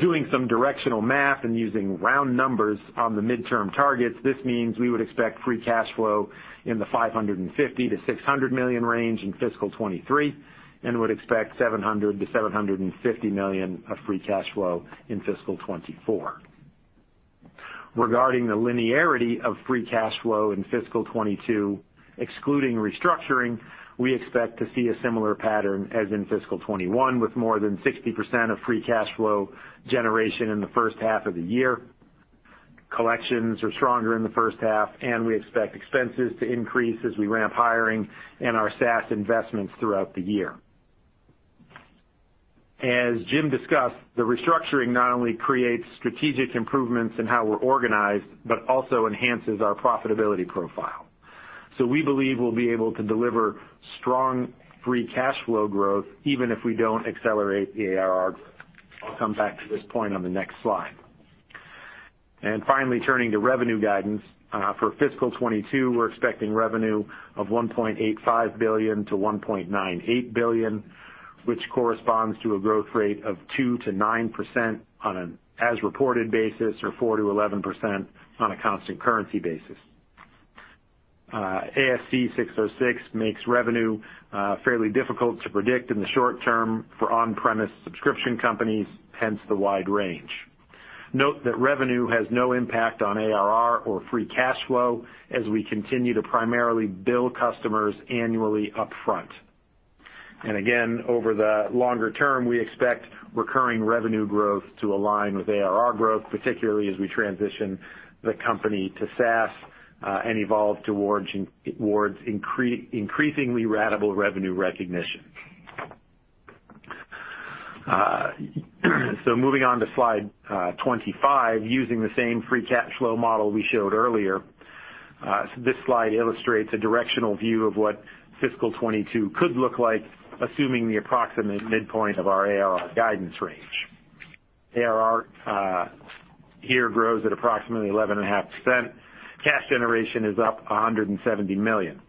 Doing some directional math and using round numbers on the midterm targets, this means we would expect free cash flow in the $550 million-$600 million range in fiscal 2023 and would expect $700 million-$750 million of free cash flow in fiscal 2024. Regarding the linearity of free cash flow in fiscal 2022, excluding restructuring, we expect to see a similar pattern as in fiscal 2021, with more than 60% of free cash flow generation in the first half of the year. Collections are stronger in the first half, and we expect expenses to increase as we ramp hiring and our SaaS investments throughout the year. As Jim discussed, the restructuring not only creates strategic improvements in how we're organized, but also enhances our profitability profile. We believe we'll be able to deliver strong free cash flow growth even if we don't accelerate the ARR growth. I'll come back to this point on the next slide. Finally, turning to revenue guidance. For fiscal 2022, we're expecting revenue of $1.85 billion-$1.98 billion, which corresponds to a growth rate of 2%-9% on an as-reported basis, or 4%-11% on a constant currency basis. ASC 606 makes revenue fairly difficult to predict in the short term for on-premise subscription companies, hence the wide range. Note that revenue has no impact on ARR or free cash flow as we continue to primarily bill customers annually upfront. Again, over the longer term, we expect recurring revenue growth to align with ARR growth, particularly as we transition the company to SaaS, and evolve towards increasingly ratable revenue recognition. Moving on to slide 25, using the same free cash flow model we showed earlier, this slide illustrates a directional view of what fiscal 2022 could look like, assuming the approximate midpoint of our ARR guidance range. ARR here grows at approximately 11.5%. Cash generation is up $170 million.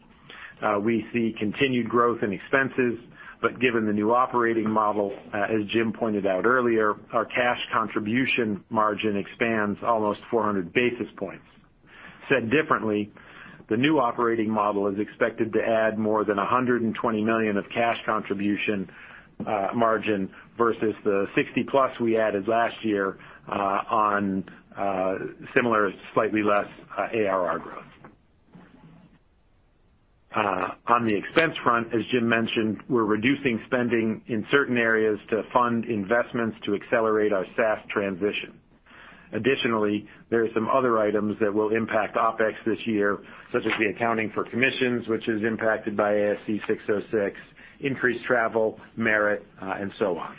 We see continued growth in expenses, but given the new operating model, as Jim pointed out earlier, our cash contribution margin expands almost 400 basis points. Said differently, the new operating model is expected to add more than $120 million of cash contribution margin versus the $60+ million we added last year on similar, slightly less ARR growth. On the expense front, as Jim mentioned, we're reducing spending in certain areas to fund investments to accelerate our SaaS transition. Additionally, there are some other items that will impact OpEx this year, such as the accounting for commissions, which is impacted by ASC 606, increased travel, merit, and so on.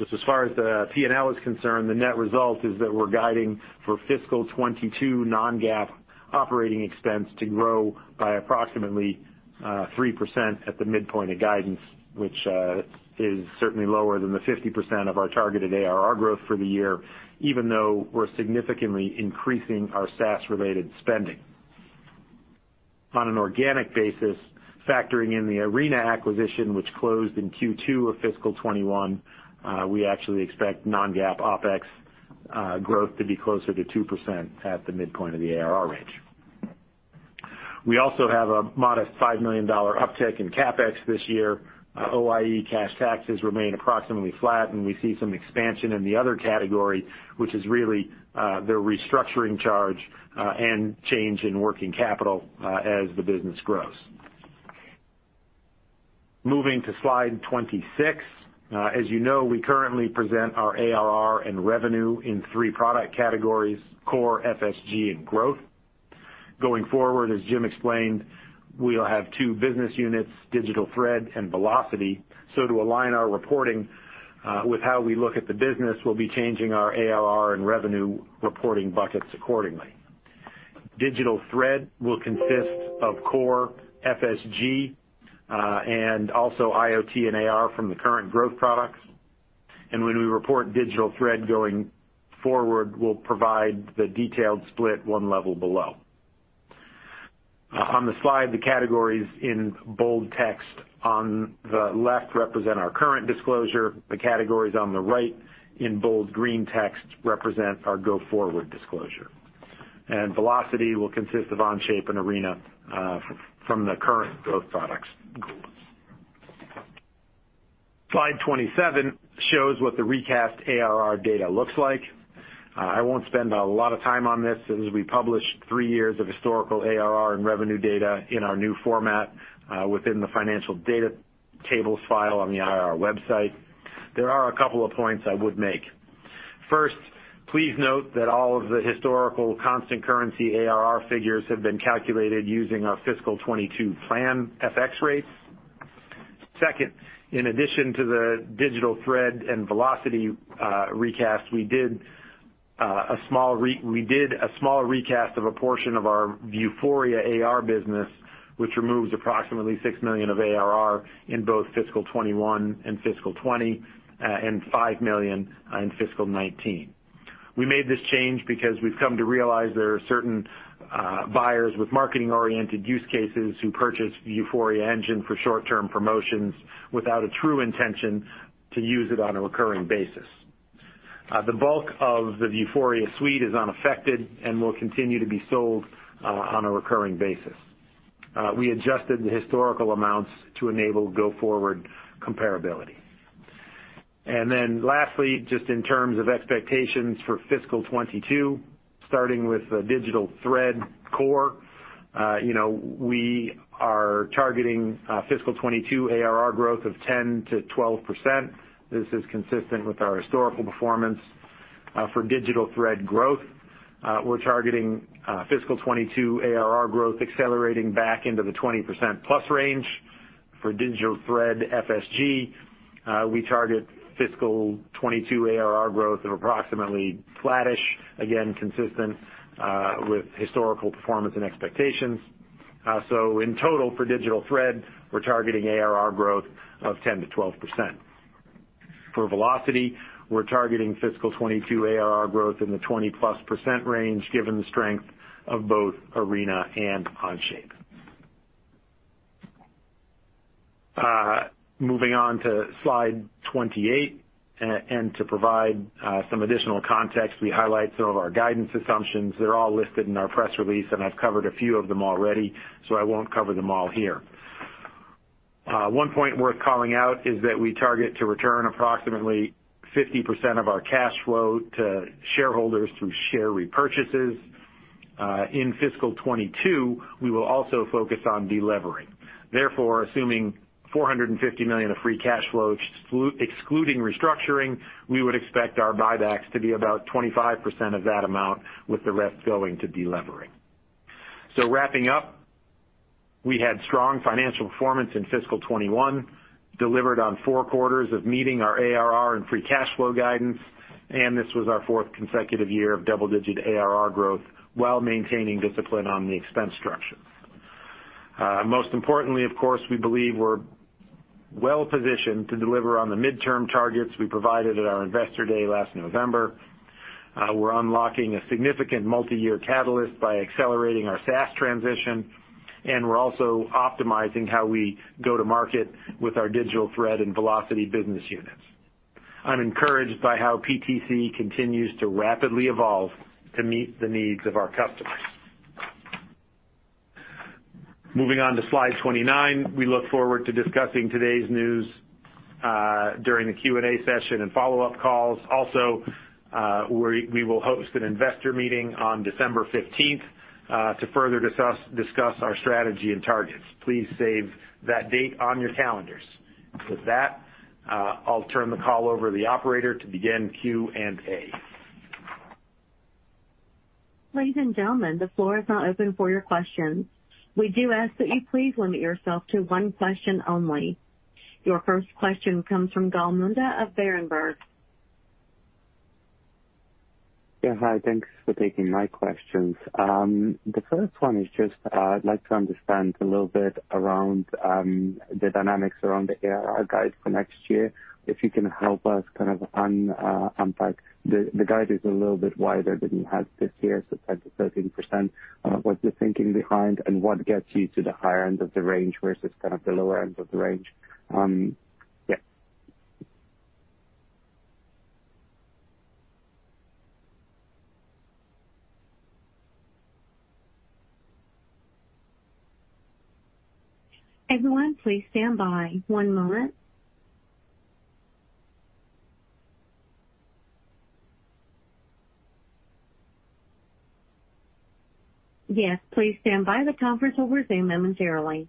As far as the P&L is concerned, the net result is that we're guiding for fiscal 2022 non-GAAP operating expense to grow by approximately 3% at the midpoint of guidance, which is certainly lower than the 50% of our targeted ARR growth for the year, even though we're significantly increasing our SaaS-related spending. On an organic basis, factoring in the Arena acquisition, which closed in Q2 of fiscal 2021, we actually expect non-GAAP OpEx growth to be closer to 2% at the midpoint of the ARR range. We also have a modest $5 million uptick in CapEx this year. OIE cash taxes remain approximately flat, and we see some expansion in the other category, which is really the restructuring charge and change in working capital as the business grows. Moving to slide 26. As you know, we currently present our ARR and revenue in three product categories, Core, FSG, and Growth. Going forward, as Jim explained, we'll have two business units, Digital Thread and Velocity. To align our reporting with how we look at the business, we'll be changing our ARR and revenue reporting buckets accordingly. Digital Thread will consist of Core, FSG, and also IoT and AR from the current growth products. When we report Digital Thread going forward, we'll provide the detailed split one level below. On the slide, the categories in bold text on the left represent our current disclosure. The categories on the right in bold green text represent our go-forward disclosure. Velocity will consist of Onshape and Arena from the current growth products. Slide 27 shows what the recast ARR data looks like. I won't spend a lot of time on this as we published three years of historical ARR and revenue data in our new format within the financial data tables file on the IR website. There are a couple of points I would make. First, please note that all of the historical constant currency ARR figures have been calculated using our fiscal 2022 plan FX rates. Second, in addition to the Digital Thread and Velocity recast, we did a small recast of a portion of our Vuforia AR business, which removes approximately $6 million of ARR in both fiscal 2021 and fiscal 2020, and $5 million in fiscal 2019. We made this change because we've come to realize there are certain buyers with marketing-oriented use cases who purchase the Vuforia Engine for short-term promotions without a true intention to use it on a recurring basis. The bulk of the Vuforia suite is unaffected and will continue to be sold on a recurring basis. We adjusted the historical amounts to enable go forward comparability. Then lastly, just in terms of expectations for fiscal 2022, starting with the Digital Thread core, you know, we are targeting fiscal 2022 ARR growth of 10%-12%. This is consistent with our historical performance for Digital Thread growth. We're targeting fiscal 2022 ARR growth accelerating back into the 20%+ range. For Digital Thread FSG, we target fiscal 2022 ARR growth of approximately flattish, again, consistent with historical performance and expectations. In total, for Digital Thread, we're targeting ARR growth of 10%-12%. For Velocity, we're targeting fiscal 2022 ARR growth in the 20%+ range given the strength of both Arena and Onshape. Moving on to slide 28, and to provide some additional context, we highlight some of our guidance assumptions. They're all listed in our press release, and I've covered a few of them already, so I won't cover them all here. One point worth calling out is that we target to return approximately 50% of our cash flow to shareholders through share repurchases. In fiscal 2022, we will also focus on delevering. Therefore, assuming $450 million of free cash flow excluding restructuring, we would expect our buybacks to be about 25% of that amount with the rest going to delevering. Wrapping up, we had strong financial performance in fiscal 2021, delivered on four quarters of meeting our ARR and free cash flow guidance, and this was our 4th consecutive year of double-digit ARR growth while maintaining discipline on the expense structure. Most importantly, of course, we believe we're well-positioned to deliver on the midterm targets we provided at our Investor Day last November. We're unlocking a significant multiyear catalyst by accelerating our SaaS transition, and we're also optimizing how we go to market with our Digital Thread and Velocity business units. I'm encouraged by how PTC continues to rapidly evolve to meet the needs of our customers. Moving on to slide 29, we look forward to discussing today's news during the Q&A session and follow-up calls. Also, we will host an investor meeting on December fifteenth to further discuss our strategy and targets. Please save that date on your calendars. With that, I'll turn the call over to the operator to begin Q&A. Ladies and gentlemen, the floor is now open for your questions. We do ask that you please limit yourself to one question only. Your first question comes from Gal Munda of Berenberg. Yeah. Hi. Thanks for taking my questions. The first one is just, I'd like to understand a little bit around, the dynamics around the ARR guide for next year. If you can help us kind of unpack the guide is a little bit wider than you had this year, so 10%-13%. What's the thinking behind and what gets you to the higher end of the range versus kind of the lower end of the range? Yeah. Everyone, please stand by. One moment. Yes, please stand by. The conference will resume momentarily.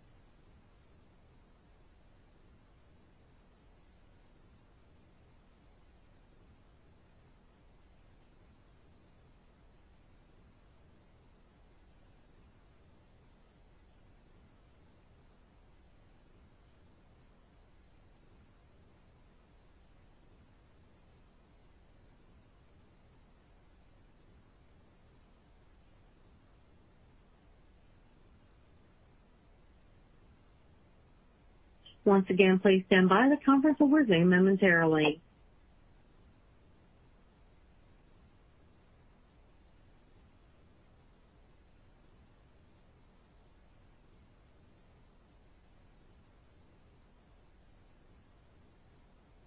Once again, please stand by. The conference will resume momentarily.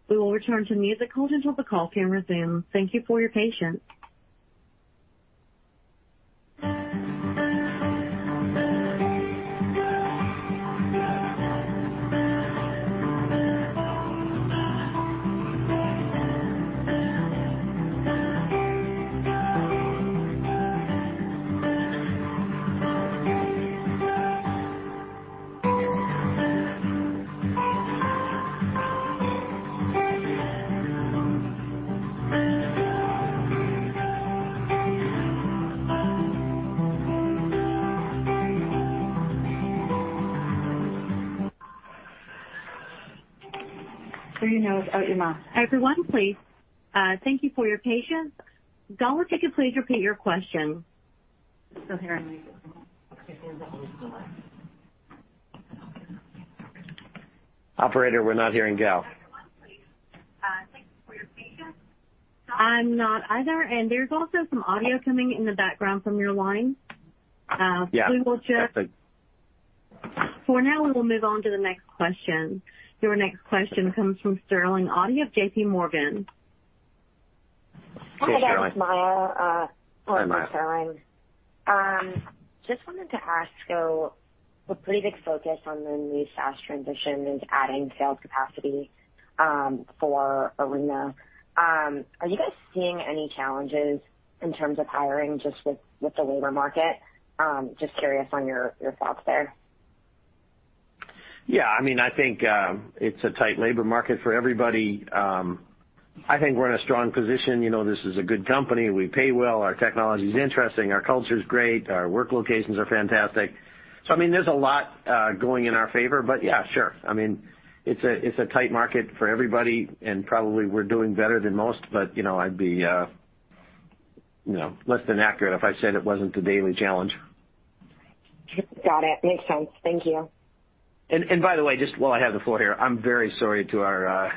We will return to music until the call can resume. Thank you for your patience. Cover your nose, out your mouth. Everyone, please, thank you for your patience. Gal, would you please repeat your question? Still hearing music. Operator, we're not hearing Gal. I'm not either. There's also some audio coming in the background from your line. Yeah. We will check. For now, we will move on to the next question. Your next question comes from Sterling Auty of JPMorgan. Hi, guys. Sterling Auty, JPMorgan Hi, Sterling. Just wanted to ask, a pretty big focus on the new SaaS transition is adding sales capacity for Arena. Are you guys seeing any challenges in terms of hiring just with the labor market? Just curious on your thoughts there. Yeah. I mean, I think it's a tight labor market for everybody. I think we're in a strong position. You know, this is a good company. We pay well, our technology is interesting, our culture is great, our work locations are fantastic. I mean, there's a lot going in our favor. Yeah, sure. I mean, it's a tight market for everybody, and probably we're doing better than most, but you know, I'd be, you know, less than accurate if I said it wasn't a daily challenge. Got it. Makes sense. Thank you. By the way, just while I have the floor here, I'm very sorry to our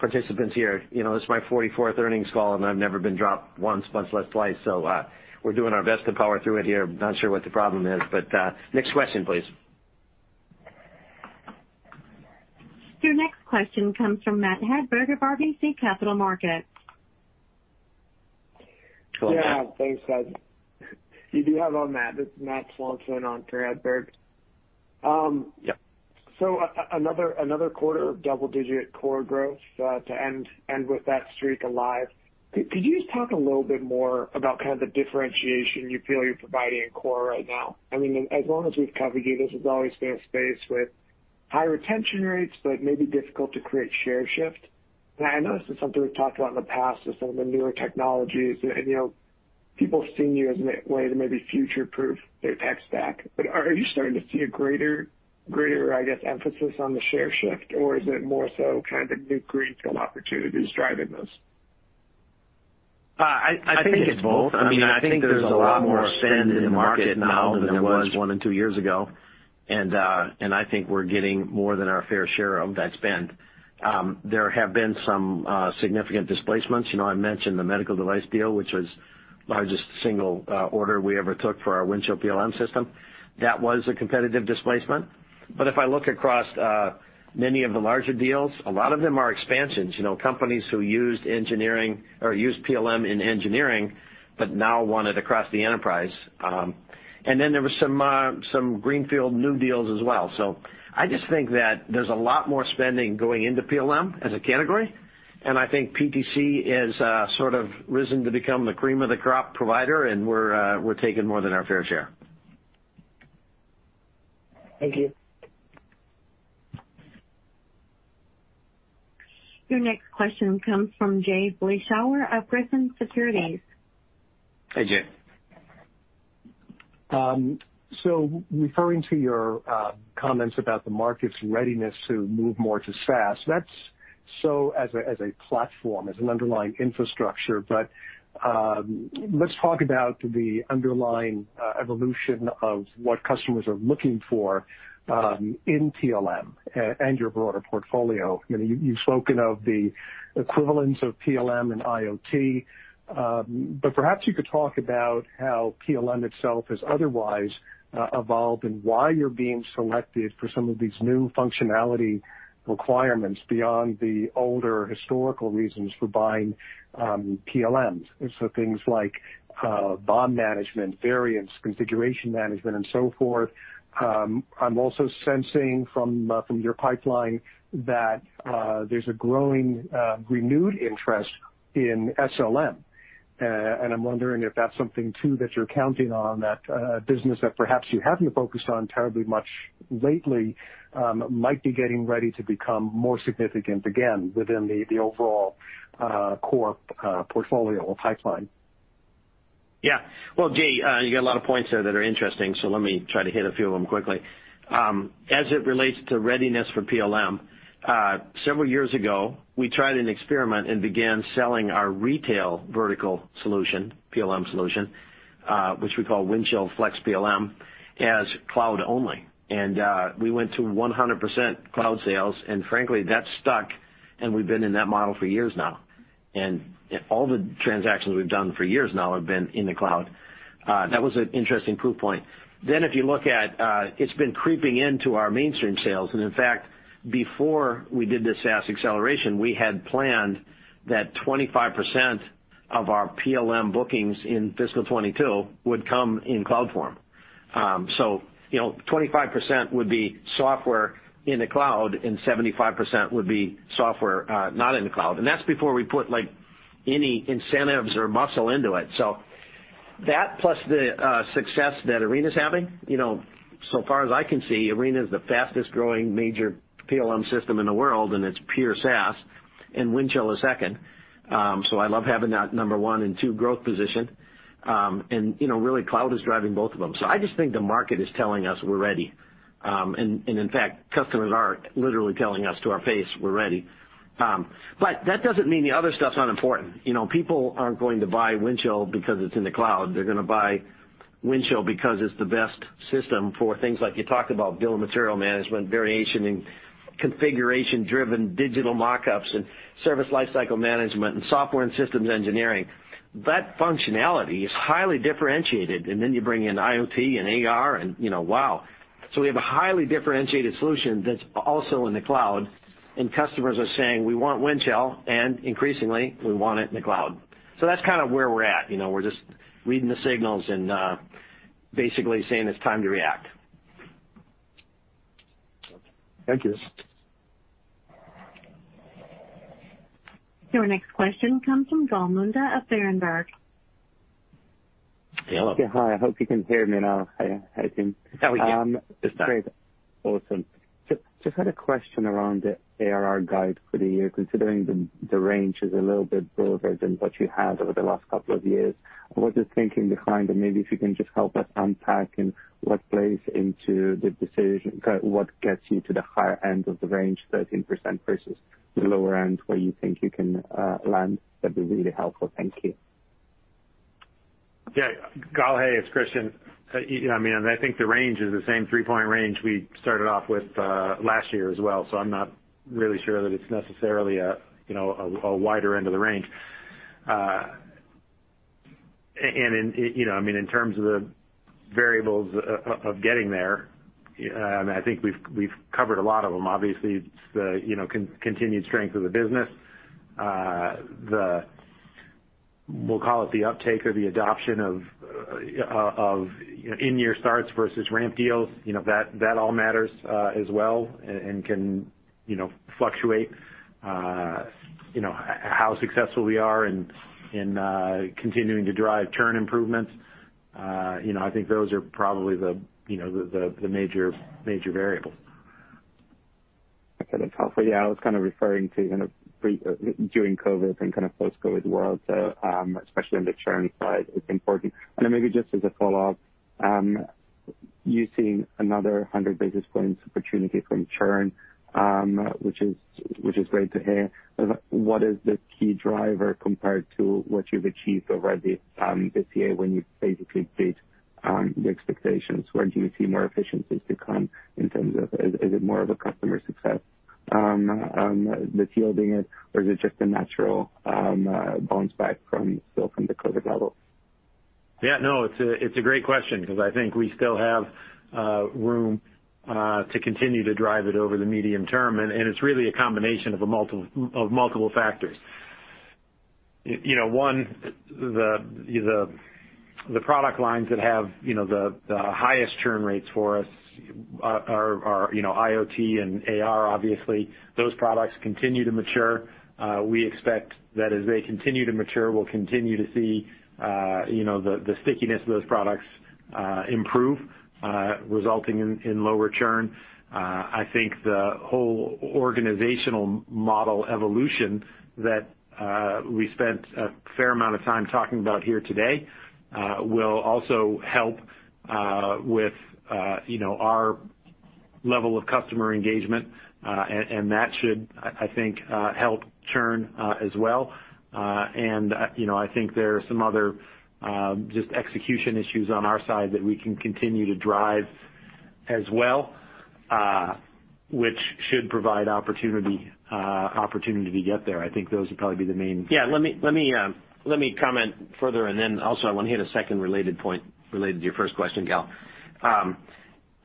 participants here. You know, this is my forty-fourth earnings call, and I've never been dropped once, much less twice. We're doing our best to power through it here. Not sure what the problem is, but next question, please. Your next question comes from Matt Hedberg of RBC Capital Markets. Hello, Matt. Yeah. Thanks, guys. This is Matt Swanson on for Hedberg. Yep. Another quarter of double-digit core growth to end with that streak alive. Could you just talk a little bit more about kind of the differentiation you feel you're providing in core right now? I mean, as long as we've covered you, this has always been a space with high retention rates, but maybe difficult to create share shift. I know this is something we've talked about in the past with some of the newer technologies. You know, people have seen you as a way to maybe future-proof their tech stack. Are you starting to see a greater, I guess, emphasis on the share shift, or is it more so kind of new greenfield opportunities driving those? I think it's both. I mean, I think there's a lot more spend in the market now than there was one and two years ago. I think we're getting more than our fair share of that spend. There have been some significant displacements. You know, I mentioned the medical device deal, which was largest single order we ever took for our Windchill PLM system. That was a competitive displacement. If I look across many of the larger deals, a lot of them are expansions. You know, companies who used engineering or used PLM in engineering, but now want it across the enterprise. Then there were some greenfield new deals as well. I just think that there's a lot more spending going into PLM as a category, and I think PTC has sort of risen to become the cream of the crop provider, and we're taking more than our fair share. Thank you. Your next question comes from Jay Vleeschhouwer of Griffin Securities. Hi, Jay. Referring to your comments about the market's readiness to move more to SaaS, that's so as a, as a platform, as an underlying infrastructure. Let's talk about the underlying evolution of what customers are looking for in PLM and your broader portfolio. You know, you've spoken of the equivalence of PLM and IoT, but perhaps you could talk about how PLM itself has otherwise evolved and why you're being selected for some of these new functionality requirements beyond the older historical reasons for buying PLMs. Things like BOM management, version management, configuration management, and so forth. I'm also sensing from your pipeline that there's a growing renewed interest in SLM, and I'm wondering if that's something, too, that you're counting on, that business that perhaps you haven't focused on terribly much lately might be getting ready to become more significant again within the overall core portfolio pipeline. Yeah. Well, Jay, you got a lot of points there that are interesting, so let me try to hit a few of them quickly. As it relates to readiness for PLM, several years ago, we tried an experiment and began selling our retail vertical solution, PLM solution, which we call Windchill FlexPLM, as cloud only. We went to 100% cloud sales, and frankly, that stuck, and we've been in that model for years now. All the transactions we've done for years now have been in the cloud. That was an interesting proof point. If you look at, it's been creeping into our mainstream sales. In fact, before we did the SaaS acceleration, we had planned that 25% of our PLM bookings in fiscal 2022 would come in cloud form. You know, 25% would be software in the cloud, and 75% would be software not in the cloud. That's before we put, like, any incentives or muscle into it. That plus the success that Arena's having. You know, so far as I can see, Arena is the fastest growing major PLM system in the world, and it's pure SaaS, and Windchill is second. I love having that number one and two growth position. You know, really cloud is driving both of them. I just think the market is telling us we're ready. In fact, customers are literally telling us to our face, "We're ready." That doesn't mean the other stuff's not important. You know, people aren't going to buy Windchill because it's in the cloud. They're gonna buy Windchill because it's the best system for things like you talked about, bill of material management, variation and configuration-driven digital mock-ups, and service life cycle management, and software and systems engineering. That functionality is highly differentiated, and then you bring in IoT and AR and, you know, wow. We have a highly differentiated solution that's also in the cloud, and customers are saying, "We want Windchill, and increasingly, we want it in the cloud." That's kind of where we're at. You know, we're just reading the signals and basically saying it's time to react. Thank you. Your next question comes from Gal Munda of Berenberg. Hello. Yeah. Hi. I hope you can hear me now. Hi, I can. Now we can. Great. Awesome. Just had a question around the ARR guide for the year, considering the range is a little bit broader than what you had over the last couple of years. What's the thinking behind that? Maybe if you can just help us unpack and what plays into the decision. What gets you to the higher end of the range, 13% versus the lower end, where you think you can land? That'd be really helpful. Thank you. Yeah. Gal, hey, it's Kristian. I mean, I think the range is the same three-point range we started off with last year as well. I'm not really sure that it's necessarily a you know a wider end of the range. And in you know I mean in terms of the variables of getting there I think we've covered a lot of them. Obviously it's the you know continued strength of the business. The we'll call it the uptake or the adoption of you know in-year starts versus ramp deals you know that all matters as well and can you know fluctuate you know how successful we are in continuing to drive churn improvements. You know I think those are probably the you know the major variables. Okay. That's helpful. Yeah, I was kind of referring to, you know, during COVID and kind of post-COVID world. Especially on the churn side, it's important. Then maybe just as a follow-up, you're seeing another 100 basis points opportunity from churn, which is great to hear. What is the key driver compared to what you've achieved already this year when you basically beat the expectations? Where do you see more efficiencies to come in terms of? Is it more of a customer success that's yielding it, or is it just a natural bounce back from the COVID levels? Yeah, no, it's a great question because I think we still have room to continue to drive it over the medium term, and it's really a combination of multiple factors. You know, one, the product lines that have the highest churn rates for us are IoT and AR, obviously. Those products continue to mature. We expect that as they continue to mature, we'll continue to see the stickiness of those products improve, resulting in lower churn. I think the whole organizational model evolution that we spent a fair amount of time talking about here today will also help with our level of customer engagement. That should, I think, help churn as well. You know, I think there are some other just execution issues on our side that we can continue to drive as well, which should provide opportunity to get there. Let me comment further, and then also I want to hit a second related point related to your first question, Gal Munda.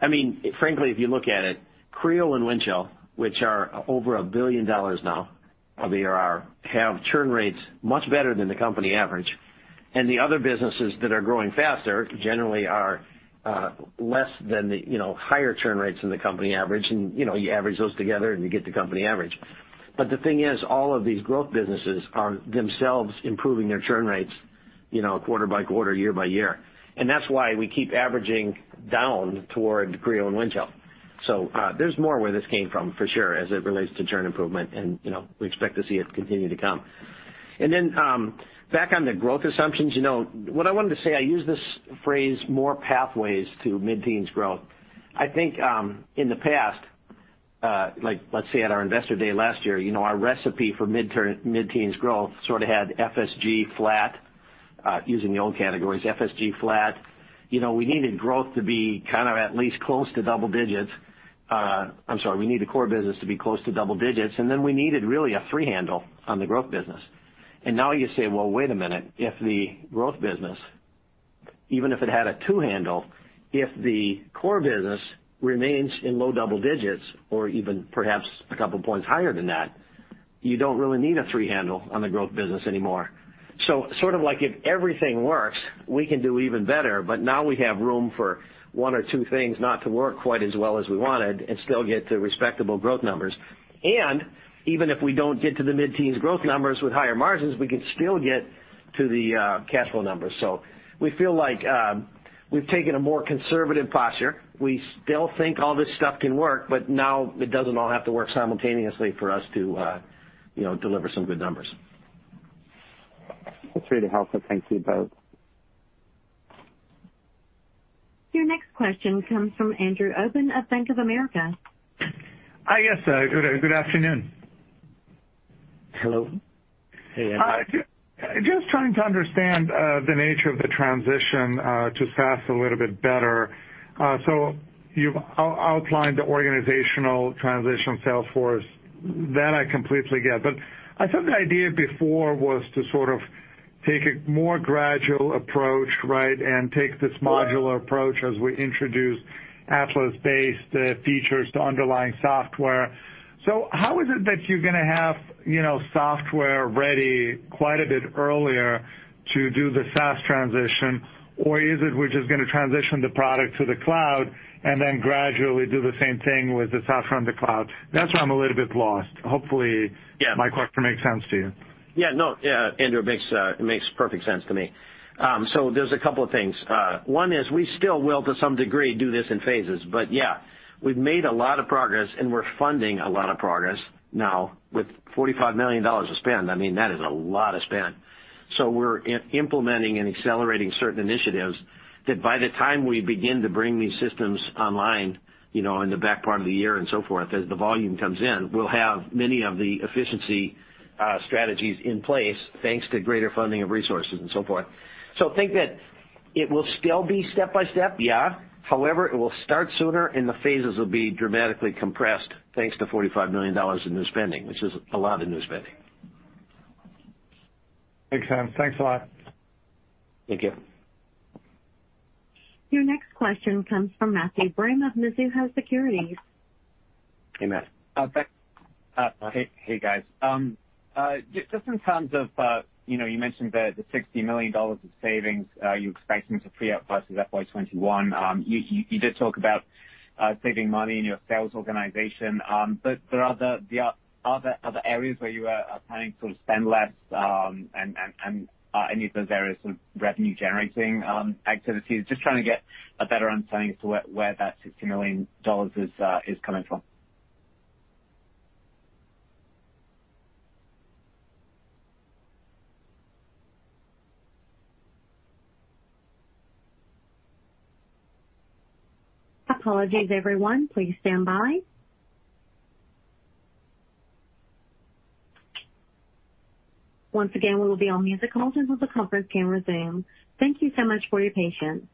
I mean, frankly, if you look at it, Creo and Windchill, which are over $1 billion now of ARR, have churn rates much better than the company average. The other businesses that are growing faster generally have higher churn rates than the company average. You know, you average those together, and you get the company average. The thing is, all of these growth businesses are themselves improving their churn rates, you know, quarter by quarter, year by year. That's why we keep averaging down toward Creo and Windchill. There's more where this came from, for sure, as it relates to churn improvement, and, you know, we expect to see it continue to come. Back on the growth assumptions, you know, what I wanted to say, I use this phrase more pathways to mid-teens growth. I think, in the past, like, let's say at our investor day last year, you know, our recipe for mid-teens growth sort of had FSG flat, using the old categories, FSG flat. You know, we needed growth to be kind of at least close to double digits. I'm sorry, we need the core business to be close to double digits, and then we needed really a three handle on the growth business. Now you say, well, wait a minute. If the growth business, even if it had a two handle, if the core business remains in low double digits or even perhaps a couple points higher than that, you don't really need a three handle on the growth business anymore. Sort of like if everything works, we can do even better, but now we have room for one or two things not to work quite as well as we wanted and still get to respectable growth numbers. Even if we don't get to the mid-teens growth numbers with higher margins, we can still get to the cash flow numbers. We feel like we've taken a more conservative posture. We still think all this stuff can work, but now it doesn't all have to work simultaneously for us to, you know, deliver some good numbers. That's really helpful. Thank you both. Your next question comes from Andrew Obin of Bank of America. Hi. Yes. Good afternoon. Hello. Hey, Andrew. Just trying to understand the nature of the transition to SaaS a little bit better. You've outlined the organizational transition Salesforce. That I completely get. I thought the idea before was to take a more gradual approach, right, and take this modular approach as we introduce Atlas-based features to underlying software. How is it that you're gonna have, you know, software ready quite a bit earlier to do the SaaS transition? Or is it we're just gonna transition the product to the cloud and then gradually do the same thing with the SaaS from the cloud? That's where I'm a little bit lost. Hopefully. Yeah. My question makes sense to you. Yeah, no, yeah, Andrew, it makes perfect sense to me. There's a couple of things. One is we still will, to some degree, do this in phases. Yeah, we've made a lot of progress, and we're funding a lot of progress now with $45 million to spend. I mean, that is a lot of spend. We're implementing and accelerating certain initiatives that by the time we begin to bring these systems online, you know, in the back part of the year and so forth, as the volume comes in, we'll have many of the efficiency strategies in place thanks to greater funding of resources and so forth. I think that it will still be step-by-step, yeah. However, it will start sooner, and the phases will be dramatically compressed thanks to $45 million in new spending, which is a lot of new spending. Makes sense. Thanks a lot. Thank you. Your next question comes from Matthew Broome of Mizuho Securities. Hey, Matt. Thanks. Hey guys. Just in terms of, you know, you mentioned the $60 million of savings you're expecting to free up versus FY 2021. You did talk about saving money in your sales organization. But there are other areas where you are planning to spend less, and any of those areas of revenue generating activities? Just trying to get a better understanding as to where that $60 million is coming from. Apologies, everyone. Please stand by. Once again, we will mute the call until the conference can resume. Thank you so much for your patience.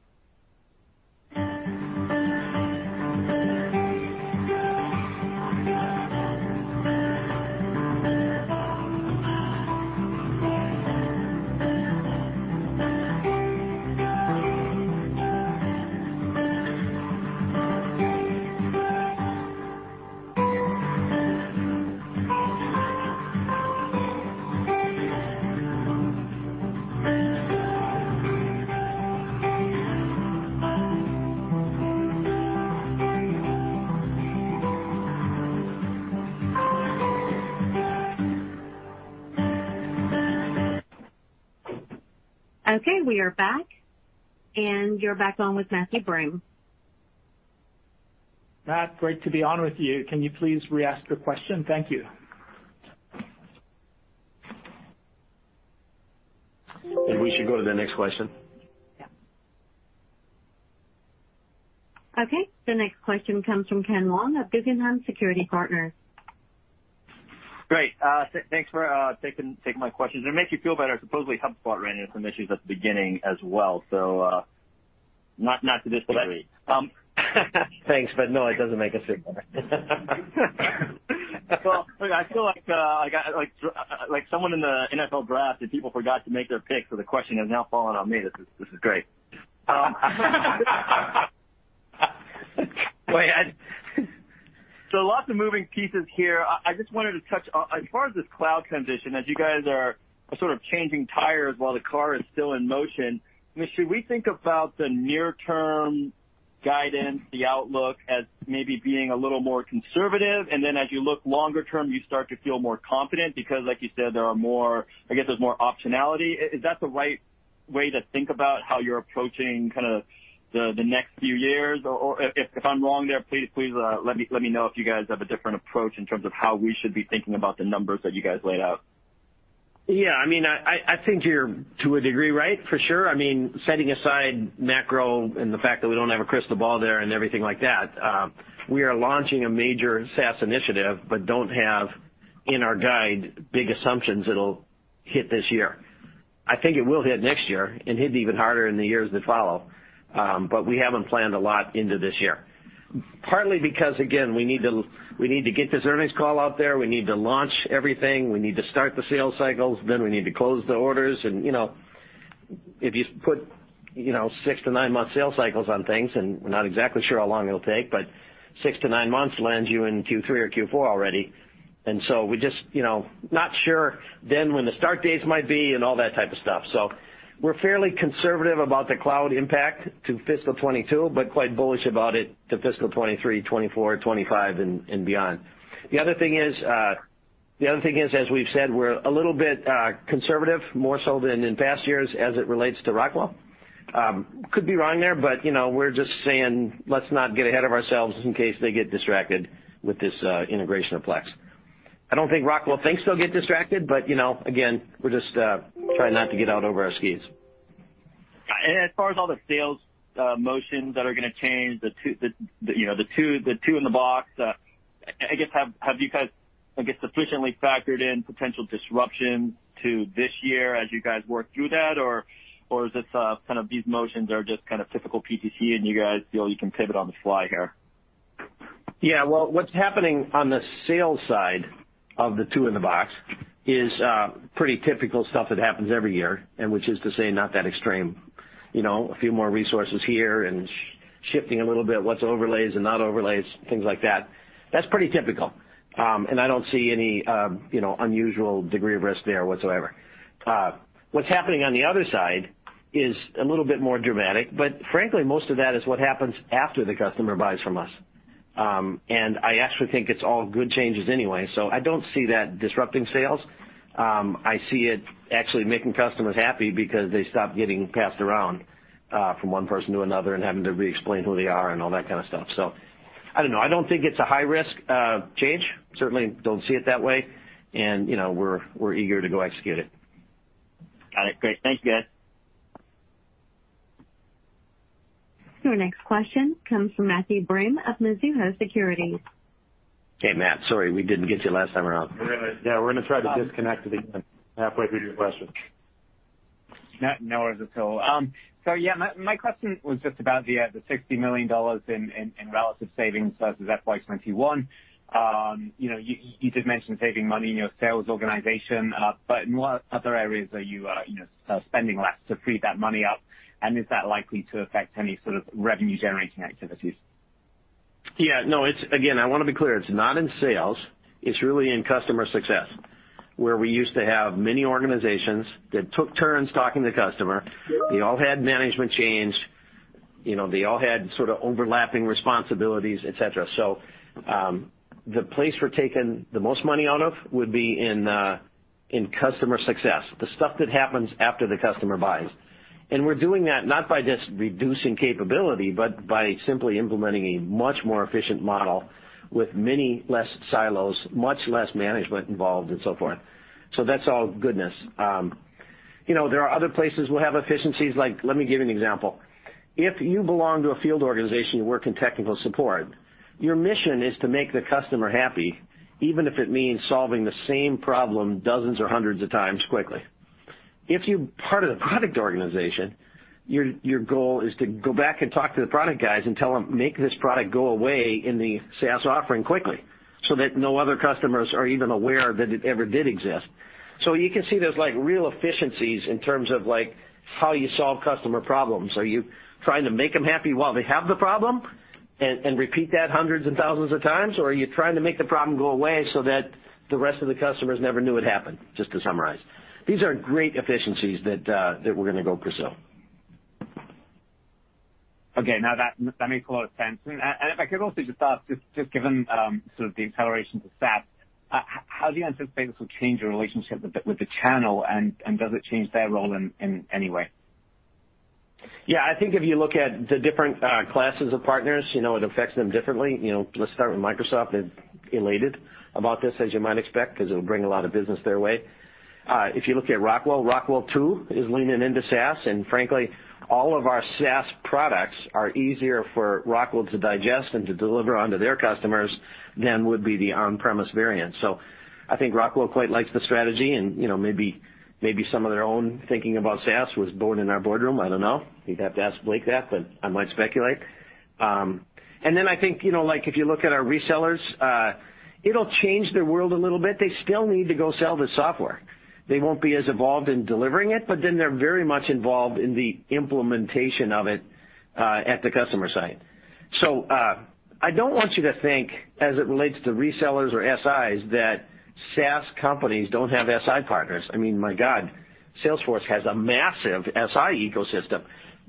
Okay, we are back, and you're back on with Matthew Broome. Matt, great to be on with you. Can you please re-ask your question? Thank you. I think we should go to the next question. Yeah. Okay, the next question comes from Ken Wong of Guggenheim Security Partners. Great. Thanks for taking my questions. It'll make you feel better, supposedly HubSpot ran into some issues at the beginning as well, so not to disagree. Thanks, but no, it doesn't make us feel better. Well, look, I feel like I got like someone in the NFL draft and people forgot to make their pick, so the question has now fallen on me. This is great. Go ahead. Lots of moving pieces here. I just wanted to touch on as far as this cloud transition, as you guys are sort of changing tires while the car is still in motion. I mean, should we think about the near-term guidance, the outlook as maybe being a little more conservative, and then as you look longer term, you start to feel more confident because like you said, there are more, I guess there's more optionality. Is that the right way to think about how you're approaching kinda the next few years? If I'm wrong there, please let me know if you guys have a different approach in terms of how we should be thinking about the numbers that you guys laid out. Yeah, I mean, I think you're to a degree right, for sure. I mean, setting aside macro and the fact that we don't have a crystal ball there and everything like that, we are launching a major SaaS initiative but don't have in our guide big assumptions that'll hit this year. I think it will hit next year and hit even harder in the years that follow, but we haven't planned a lot into this year. Partly because again, we need to get this earnings call out there. We need to launch everything. We need to start the sales cycles, then we need to close the orders and, you know. If you put, you know, six to nine-month sales cycles on things, and we're not exactly sure how long it'll take, but six to nine months lands you in Q3 or Q4 already. We just, you know, not sure then when the start dates might be and all that type of stuff. We're fairly conservative about the cloud impact to fiscal 2022, but quite bullish about it to fiscal 2023, 2024, 2025 and beyond. The other thing is, as we've said, we're a little bit conservative, more so than in past years as it relates to Rockwell. Could be wrong there, but you know, we're just saying, let's not get ahead of ourselves in case they get distracted with this integration of Plex. I don't think Rockwell thinks they'll get distracted, but you know, again, we're just trying not to get out over our skis. As far as all the sales motions that are gonna change, you know, the two in the box, I guess have you guys I guess sufficiently factored in potential disruption to this year as you guys work through that? Or is this kind of these motions are just kind of typical PTC and you guys feel you can pivot on the fly here? Yeah. Well, what's happening on the sales side of the two in the box is pretty typical stuff that happens every year, and which is to say, not that extreme. You know, a few more resources here and shifting a little bit what's overlays and not overlays, things like that. That's pretty typical. I don't see any, you know, unusual degree of risk there whatsoever. What's happening on the other side is a little bit more dramatic, but frankly, most of that is what happens after the customer buys from us. I actually think it's all good changes anyway, so I don't see that disrupting sales. I see it actually making customers happy because they stop getting passed around from one person to another and having to re-explain who they are and all that kind of stuff. I don't know. I don't think it's a high risk change. Certainly don't see it that way, and you know, we're eager to go execute it. Got it. Great. Thank you, guys. Your next question comes from Matthew Broome of Mizuho Securities. Hey, Matt. Sorry we didn't get you last time around. Really. Yeah, we're gonna try to disconnect halfway through your question. No, no worries at all. Yeah, my question was just about the $60 million in relative savings versus FY 2021. You know, you did mention saving money in your sales organization, but in what other areas are you know, spending less to free that money up? Is that likely to affect any sort of revenue-generating activities? Yeah, no, it's again, I wanna be clear, it's not in sales, it's really in customer success, where we used to have many organizations that took turns talking to the customer. They all had management chains. You know, they all had sort of overlapping responsibilities, et cetera. The place we're taking the most money out of would be in customer success, the stuff that happens after the customer buys. We're doing that not by just reducing capability, but by simply implementing a much more efficient model with many less silos, much less management involved and so forth. That's all goodness. You know, there are other places we'll have efficiencies. Like, let me give you an example. If you belong to a field organization, you work in technical support, your mission is to make the customer happy, even if it means solving the same problem dozens or hundreds of times quickly. If you're part of the product organization, your goal is to go back and talk to the product guys and tell them, "Make this product go away in the SaaS offering quickly," so that no other customers are even aware that it ever did exist. You can see there's, like, real efficiencies in terms of, like, how you solve customer problems. Are you trying to make them happy while they have the problem and repeat that hundreds and thousands of times? Or are you trying to make the problem go away so that the rest of the customers never knew it happened, just to summarize. These are great efficiencies that we're gonna go pursue. Okay. Now that makes a lot of sense. If I could also just ask, just given sort of the acceleration to SaaS, how do you anticipate this will change your relationship with the channel, and does it change their role in any way? Yeah, I think if you look at the different classes of partners, you know, it affects them differently. You know, let's start with Microsoft. They're elated about this, as you might expect, 'cause it'll bring a lot of business their way. If you look at Rockwell, too, is leaning into SaaS, and frankly, all of our SaaS products are easier for Rockwell to digest and to deliver onto their customers than would be the on-premise variant. So I think Rockwell quite likes the strategy and, you know, maybe some of their own thinking about SaaS was born in our boardroom. I don't know. You'd have to ask Blake that, but I might speculate. I think, you know, like, if you look at our resellers, it'll change their world a little bit. They still need to go sell the software. They won't be as involved in delivering it, but then they're very much involved in the implementation of it, at the customer site. So, I don't want you to think as it relates to resellers or SIs, that SaaS companies don't have SI partners. I mean, my God, Salesforce has a massive SI ecosystem.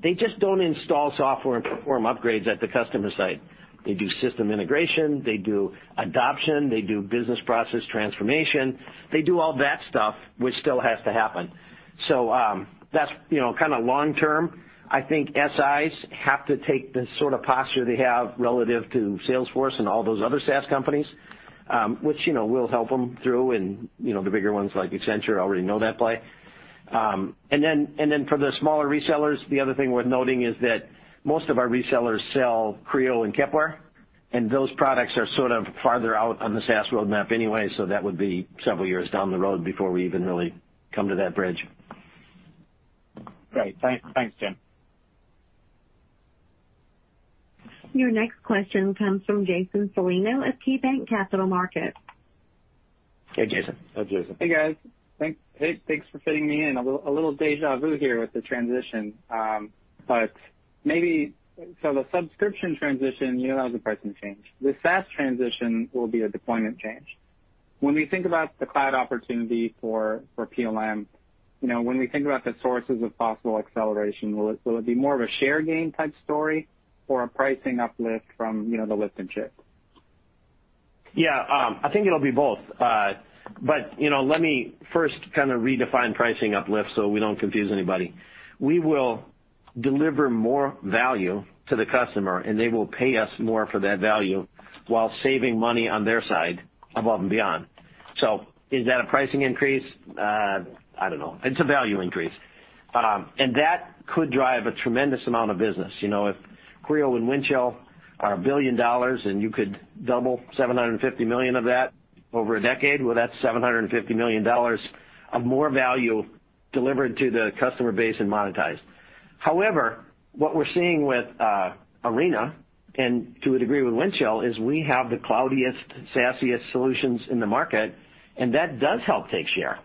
They just don't install software and perform upgrades at the customer site. They do system integration, they do adoption, they do business process transformation. They do all that stuff which still has to happen. So, that's, you know, kinda long term, I think SIs have to take the sort of posture they have relative to Salesforce and all those other SaaS companies, which, you know, we'll help them through. You know, the bigger ones like Accenture already know that play. For the smaller resellers, the other thing worth noting is that most of our resellers sell Creo and Kepware, and those products are sort of farther out on the SaaS roadmap anyway, so that would be several years down the road before we even really come to that bridge. Great. Thanks, Jim. Your next question comes from Jason Celino of KeyBanc Capital Markets. Hey, Jason. Up, Jason. Hey, guys. Thanks for fitting me in. A little déjà vu here with the transition. The subscription transition, you allow the pricing change. The SaaS transition will be a deployment change. When we think about the cloud opportunity for PLM, you know, when we think about the sources of possible acceleration, will it be more of a share gain type story or a pricing uplift from, you know, the lift and shift? Yeah. I think it'll be both. You know, let me first kind of redefine pricing uplift so we don't confuse anybody. We will deliver more value to the customer, and they will pay us more for that value while saving money on their side above and beyond. Is that a pricing increase? I don't know. It's a value increase. That could drive a tremendous amount of business. You know, if Creo and Windchill are $1 billion and you could double 750 million of that over a decade, well, that's $750 million of more value delivered to the customer base and monetized. However, what we're seeing with Arena and to a degree with Windchill is we have the cloudiest, SaaS-iest solutions in the market, and that does help take share.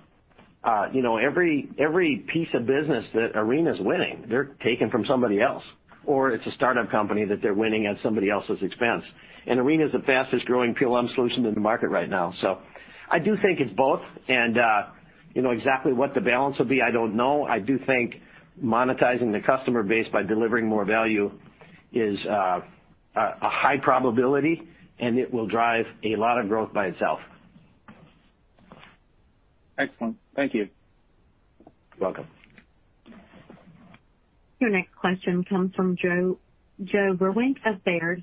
You know, every piece of business that Arena is winning, they're taking from somebody else, or it's a startup company that they're winning at somebody else's expense. Arena is the fastest growing PLM solution in the market right now. I do think it's both. You know exactly what the balance will be, I don't know. I do think monetizing the customer base by delivering more value is a high probability, and it will drive a lot of growth by itself. Excellent. Thank you. You're welcome. Your next question comes from Joe Vruwink of Baird.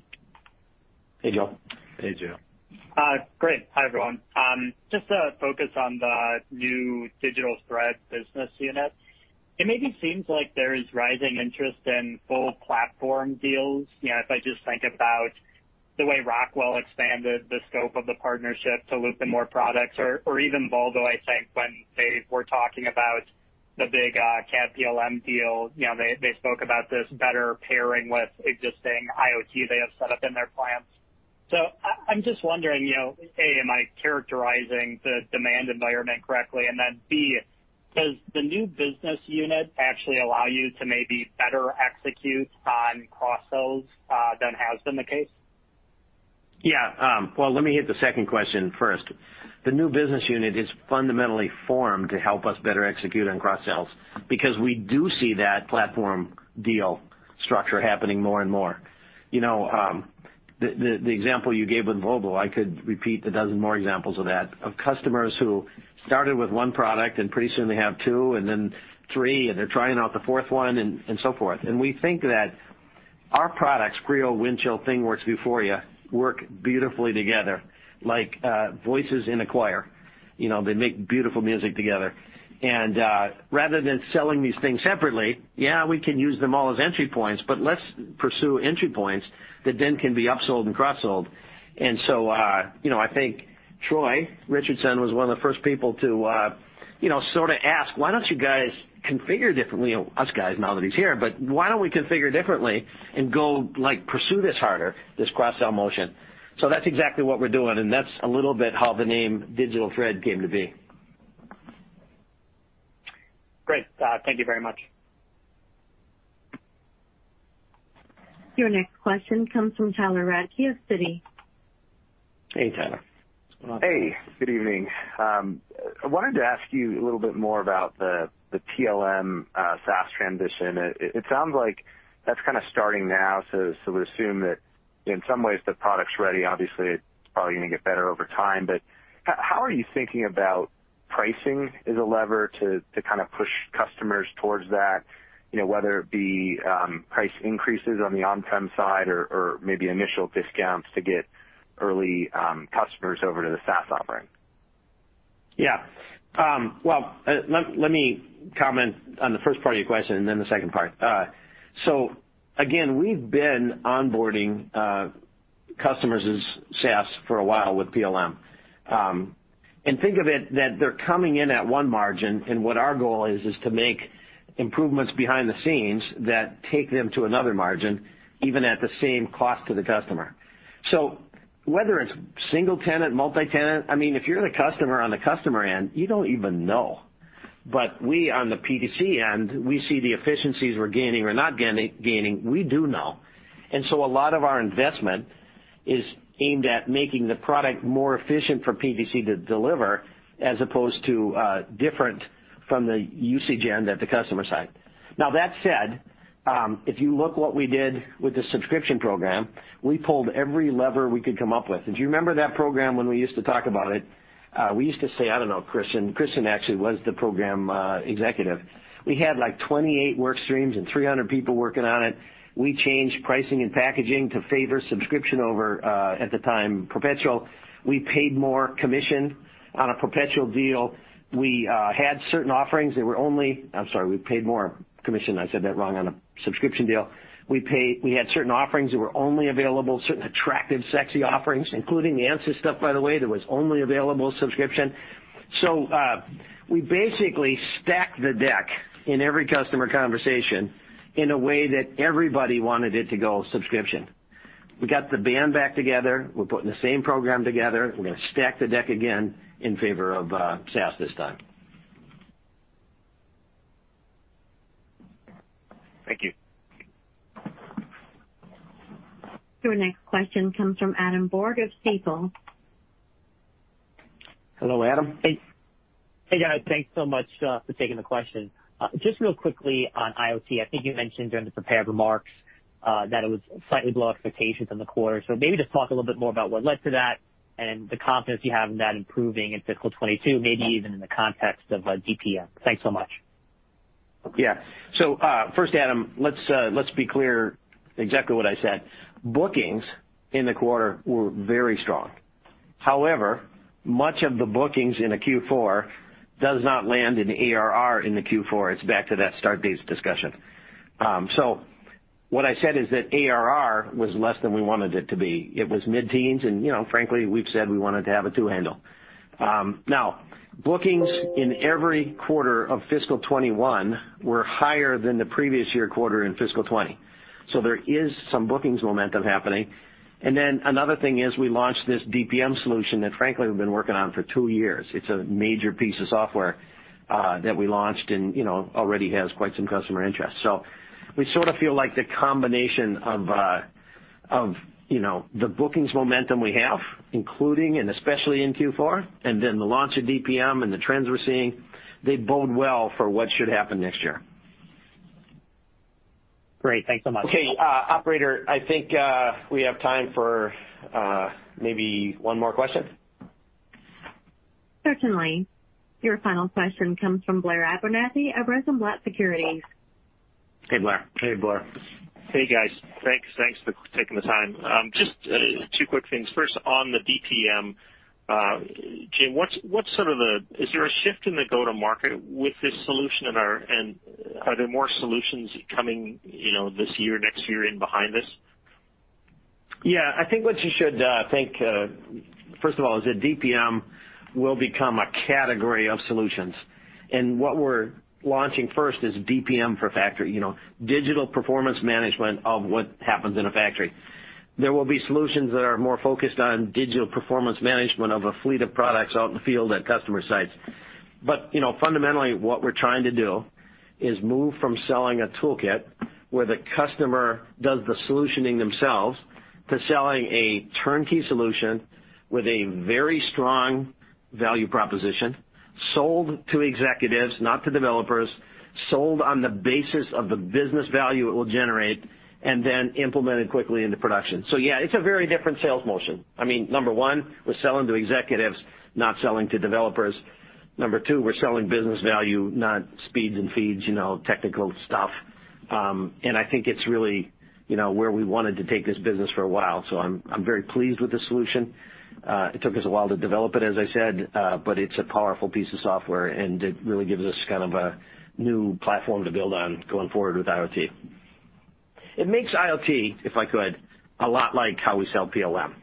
Hey, Joe. Hey, Joe. Hi. Great. Hi, everyone. Just to focus on the new Digital Thread Business Unit. It maybe seems like there is rising interest in full platform deals. You know, if I just think about the way Rockwell expanded the scope of the partnership to loop in more products or even Volvo, I think when they were talking about the big CAD PLM deal, you know, they spoke about this better pairing with existing IoT they have set up in their plants. I'm just wondering, you know, A, am I characterizing the demand environment correctly? B, does the new business unit actually allow you to maybe better execute on cross sells than has been the case? Yeah. Well, let me hit the second question first. The new business unit is fundamentally formed to help us better execute on cross sales because we do see that platform deal structure happening more and more. You know, the example you gave with Volvo, I could repeat a dozen more examples of that, of customers who started with one product and pretty soon they have two and then three, and they're trying out the fourth one and so forth. We think that our products, Creo, Windchill, ThingWorx, Vuforia work beautifully together, like voices in a choir. You know, they make beautiful music together. Rather than selling these things separately, yeah, we can use them all as entry points, but let's pursue entry points that then can be upsold and cross-sold. I think Troy Richardson was one of the first people to you know, sort of ask, "Why don't you guys configure differently?" Us guys, now that he's here. "But why don't we configure differently and go, like, pursue this harder, this cross-sell motion?" That's exactly what we're doing, and that's a little bit how the name Digital Thread came to be. Great. Thank you very much. Your next question comes from Tyler Radke of Citi. Hey, Tyler. Hey, good evening. I wanted to ask you a little bit more about the PLM SaaS transition. It sounds like that's kind of starting now, so we assume that in some ways the product's ready. Obviously, it's probably gonna get better over time. But how are you thinking about pricing as a lever to kind of push customers towards that, you know, whether it be price increases on the on-prem side or maybe initial discounts to get early customers over to the SaaS offering? Yeah. Well, let me comment on the first part of your question and then the second part. Again, we've been onboarding customers as SaaS for a while with PLM. Think of it that they're coming in at one margin, and what our goal is to make improvements behind the scenes that take them to another margin, even at the same cost to the customer. Whether it's single tenant, multi-tenant, I mean, if you're the customer on the customer end, you don't even know. We on the PTC end, we see the efficiencies we're gaining. We do know. A lot of our investment is aimed at making the product more efficient for PTC to deliver as opposed to different from the usage end at the customer side. Now that said, if you look what we did with the subscription program, we pulled every lever we could come up with. Do you remember that program when we used to talk about it? We used to say, I don't know, Kristian. Kristian actually was the program executive. We had, like, 28 work streams and 300 people working on it. We changed pricing and packaging to favor subscription over, at the time, perpetual. We paid more commission on a subscription deal. We had certain offerings that were only available, certain attractive, sexy offerings, including the Ansys stuff, by the way, that was only available subscription. We basically stacked the deck in every customer conversation in a way that everybody wanted it to go subscription. We got the band back together. We're putting the same program together. We're gonna stack the deck again in favor of SaaS this time. Thank you. Your next question comes from Adam Borg of Stifel. Hello, Adam. Hey. Hey, guys. Thanks so much for taking the question. Just real quickly on IoT. I think you mentioned during the prepared remarks that it was slightly below expectations in the quarter. Maybe just talk a little bit more about what led to that and the confidence you have in that improving in fiscal 2022, maybe even in the context of a DPM. Thanks so much. Yeah. First, Adam, let's be clear exactly what I said. Bookings in the quarter were very strong. However, much of the bookings in a Q4 does not land in ARR in the Q4. It's back to that start dates discussion. What I said is that ARR was less than we wanted it to be. It was mid-teens and, you know, frankly, we've said we wanted to have a two handle. Now bookings in every quarter of fiscal 2021 were higher than the previous year quarter in fiscal 2020. There is some bookings momentum happening. Then another thing is we launched this DPM solution that frankly, we've been working on for two years. It's a major piece of software that we launched and, you know, already has quite some customer interest. We sort of feel like the combination of, you know, the bookings momentum we have, including and especially in Q4, and then the launch of DPM and the trends we're seeing, they bode well for what should happen next year. Great. Thanks so much. Okay. Operator, I think we have time for maybe one more question. Certainly. Your final question comes from Blair Abernethy of Rosenblatt Securities. Hey, Blair. Hey, Blair. Hey, guys. Thanks for taking the time. Just two quick things. First, on the DPM, Jim, is there a shift in the go-to-market with this solution and are there more solutions coming, you know, this year, next year and beyond this? Yeah, I think what you should think, first of all, is that DPM will become a category of solutions. What we're launching first is DPM for factory, you know, Digital Performance Management of what happens in a factory. There will be solutions that are more focused on Digital Performance Management of a fleet of products out in the field at customer sites. You know, fundamentally, what we're trying to do is move from selling a toolkit where the customer does the solutioning themselves, to selling a turnkey solution with a very strong value proposition, sold to executives, not to developers, sold on the basis of the business value it will generate, and then implemented quickly into production. Yeah, it's a very different sales motion. I mean, number one, we're selling to executives, not selling to developers. Number two, we're selling business value, not speeds and feeds, you know, technical stuff. I think it's really, you know, where we wanted to take this business for a while, so I'm very pleased with the solution. It took us a while to develop it, as I said, but it's a powerful piece of software, and it really gives us kind of a new platform to build on going forward with IoT. It makes IoT, if I could, a lot like how we sell PLM.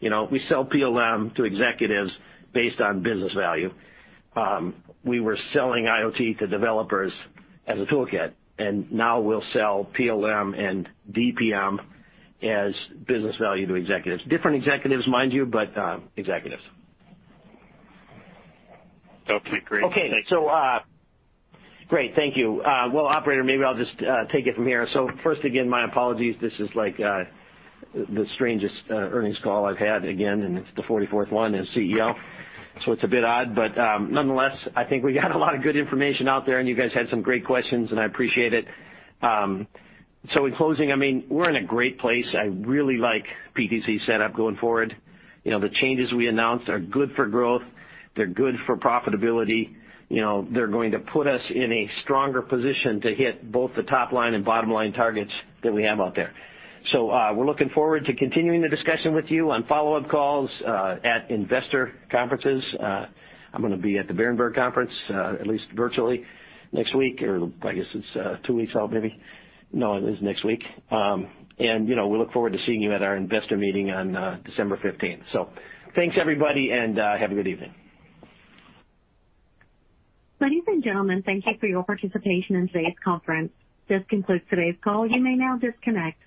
You know, we sell PLM to executives based on business value. We were selling IoT to developers as a toolkit, and now we'll sell PLM and DPM as business value to executives. Different executives, mind you, but executives. Okay, great. Okay. Thanks. Great. Thank you. Well, operator, maybe I'll just take it from here. First again, my apologies. This is like the strangest earnings call I've had again, and it's the 44th one as CEO. It's a bit odd, but nonetheless, I think we got a lot of good information out there, and you guys had some great questions, and I appreciate it. In closing, I mean, we're in a great place. I really like PTC setup going forward. You know, the changes we announced are good for growth, they're good for profitability. You know, they're going to put us in a stronger position to hit both the top line and bottom line targets that we have out there. We're looking forward to continuing the discussion with you on follow-up calls at investor conferences. I'm gonna be at the Berenberg Conference, at least virtually next week or I guess it's two weeks out maybe. No, it is next week. You know, we look forward to seeing you at our investor meeting on December fifteenth. Thanks, everybody, and have a good evening. Ladies and gentlemen, thank you for your participation in today's conference. This concludes today's call. You may now disconnect.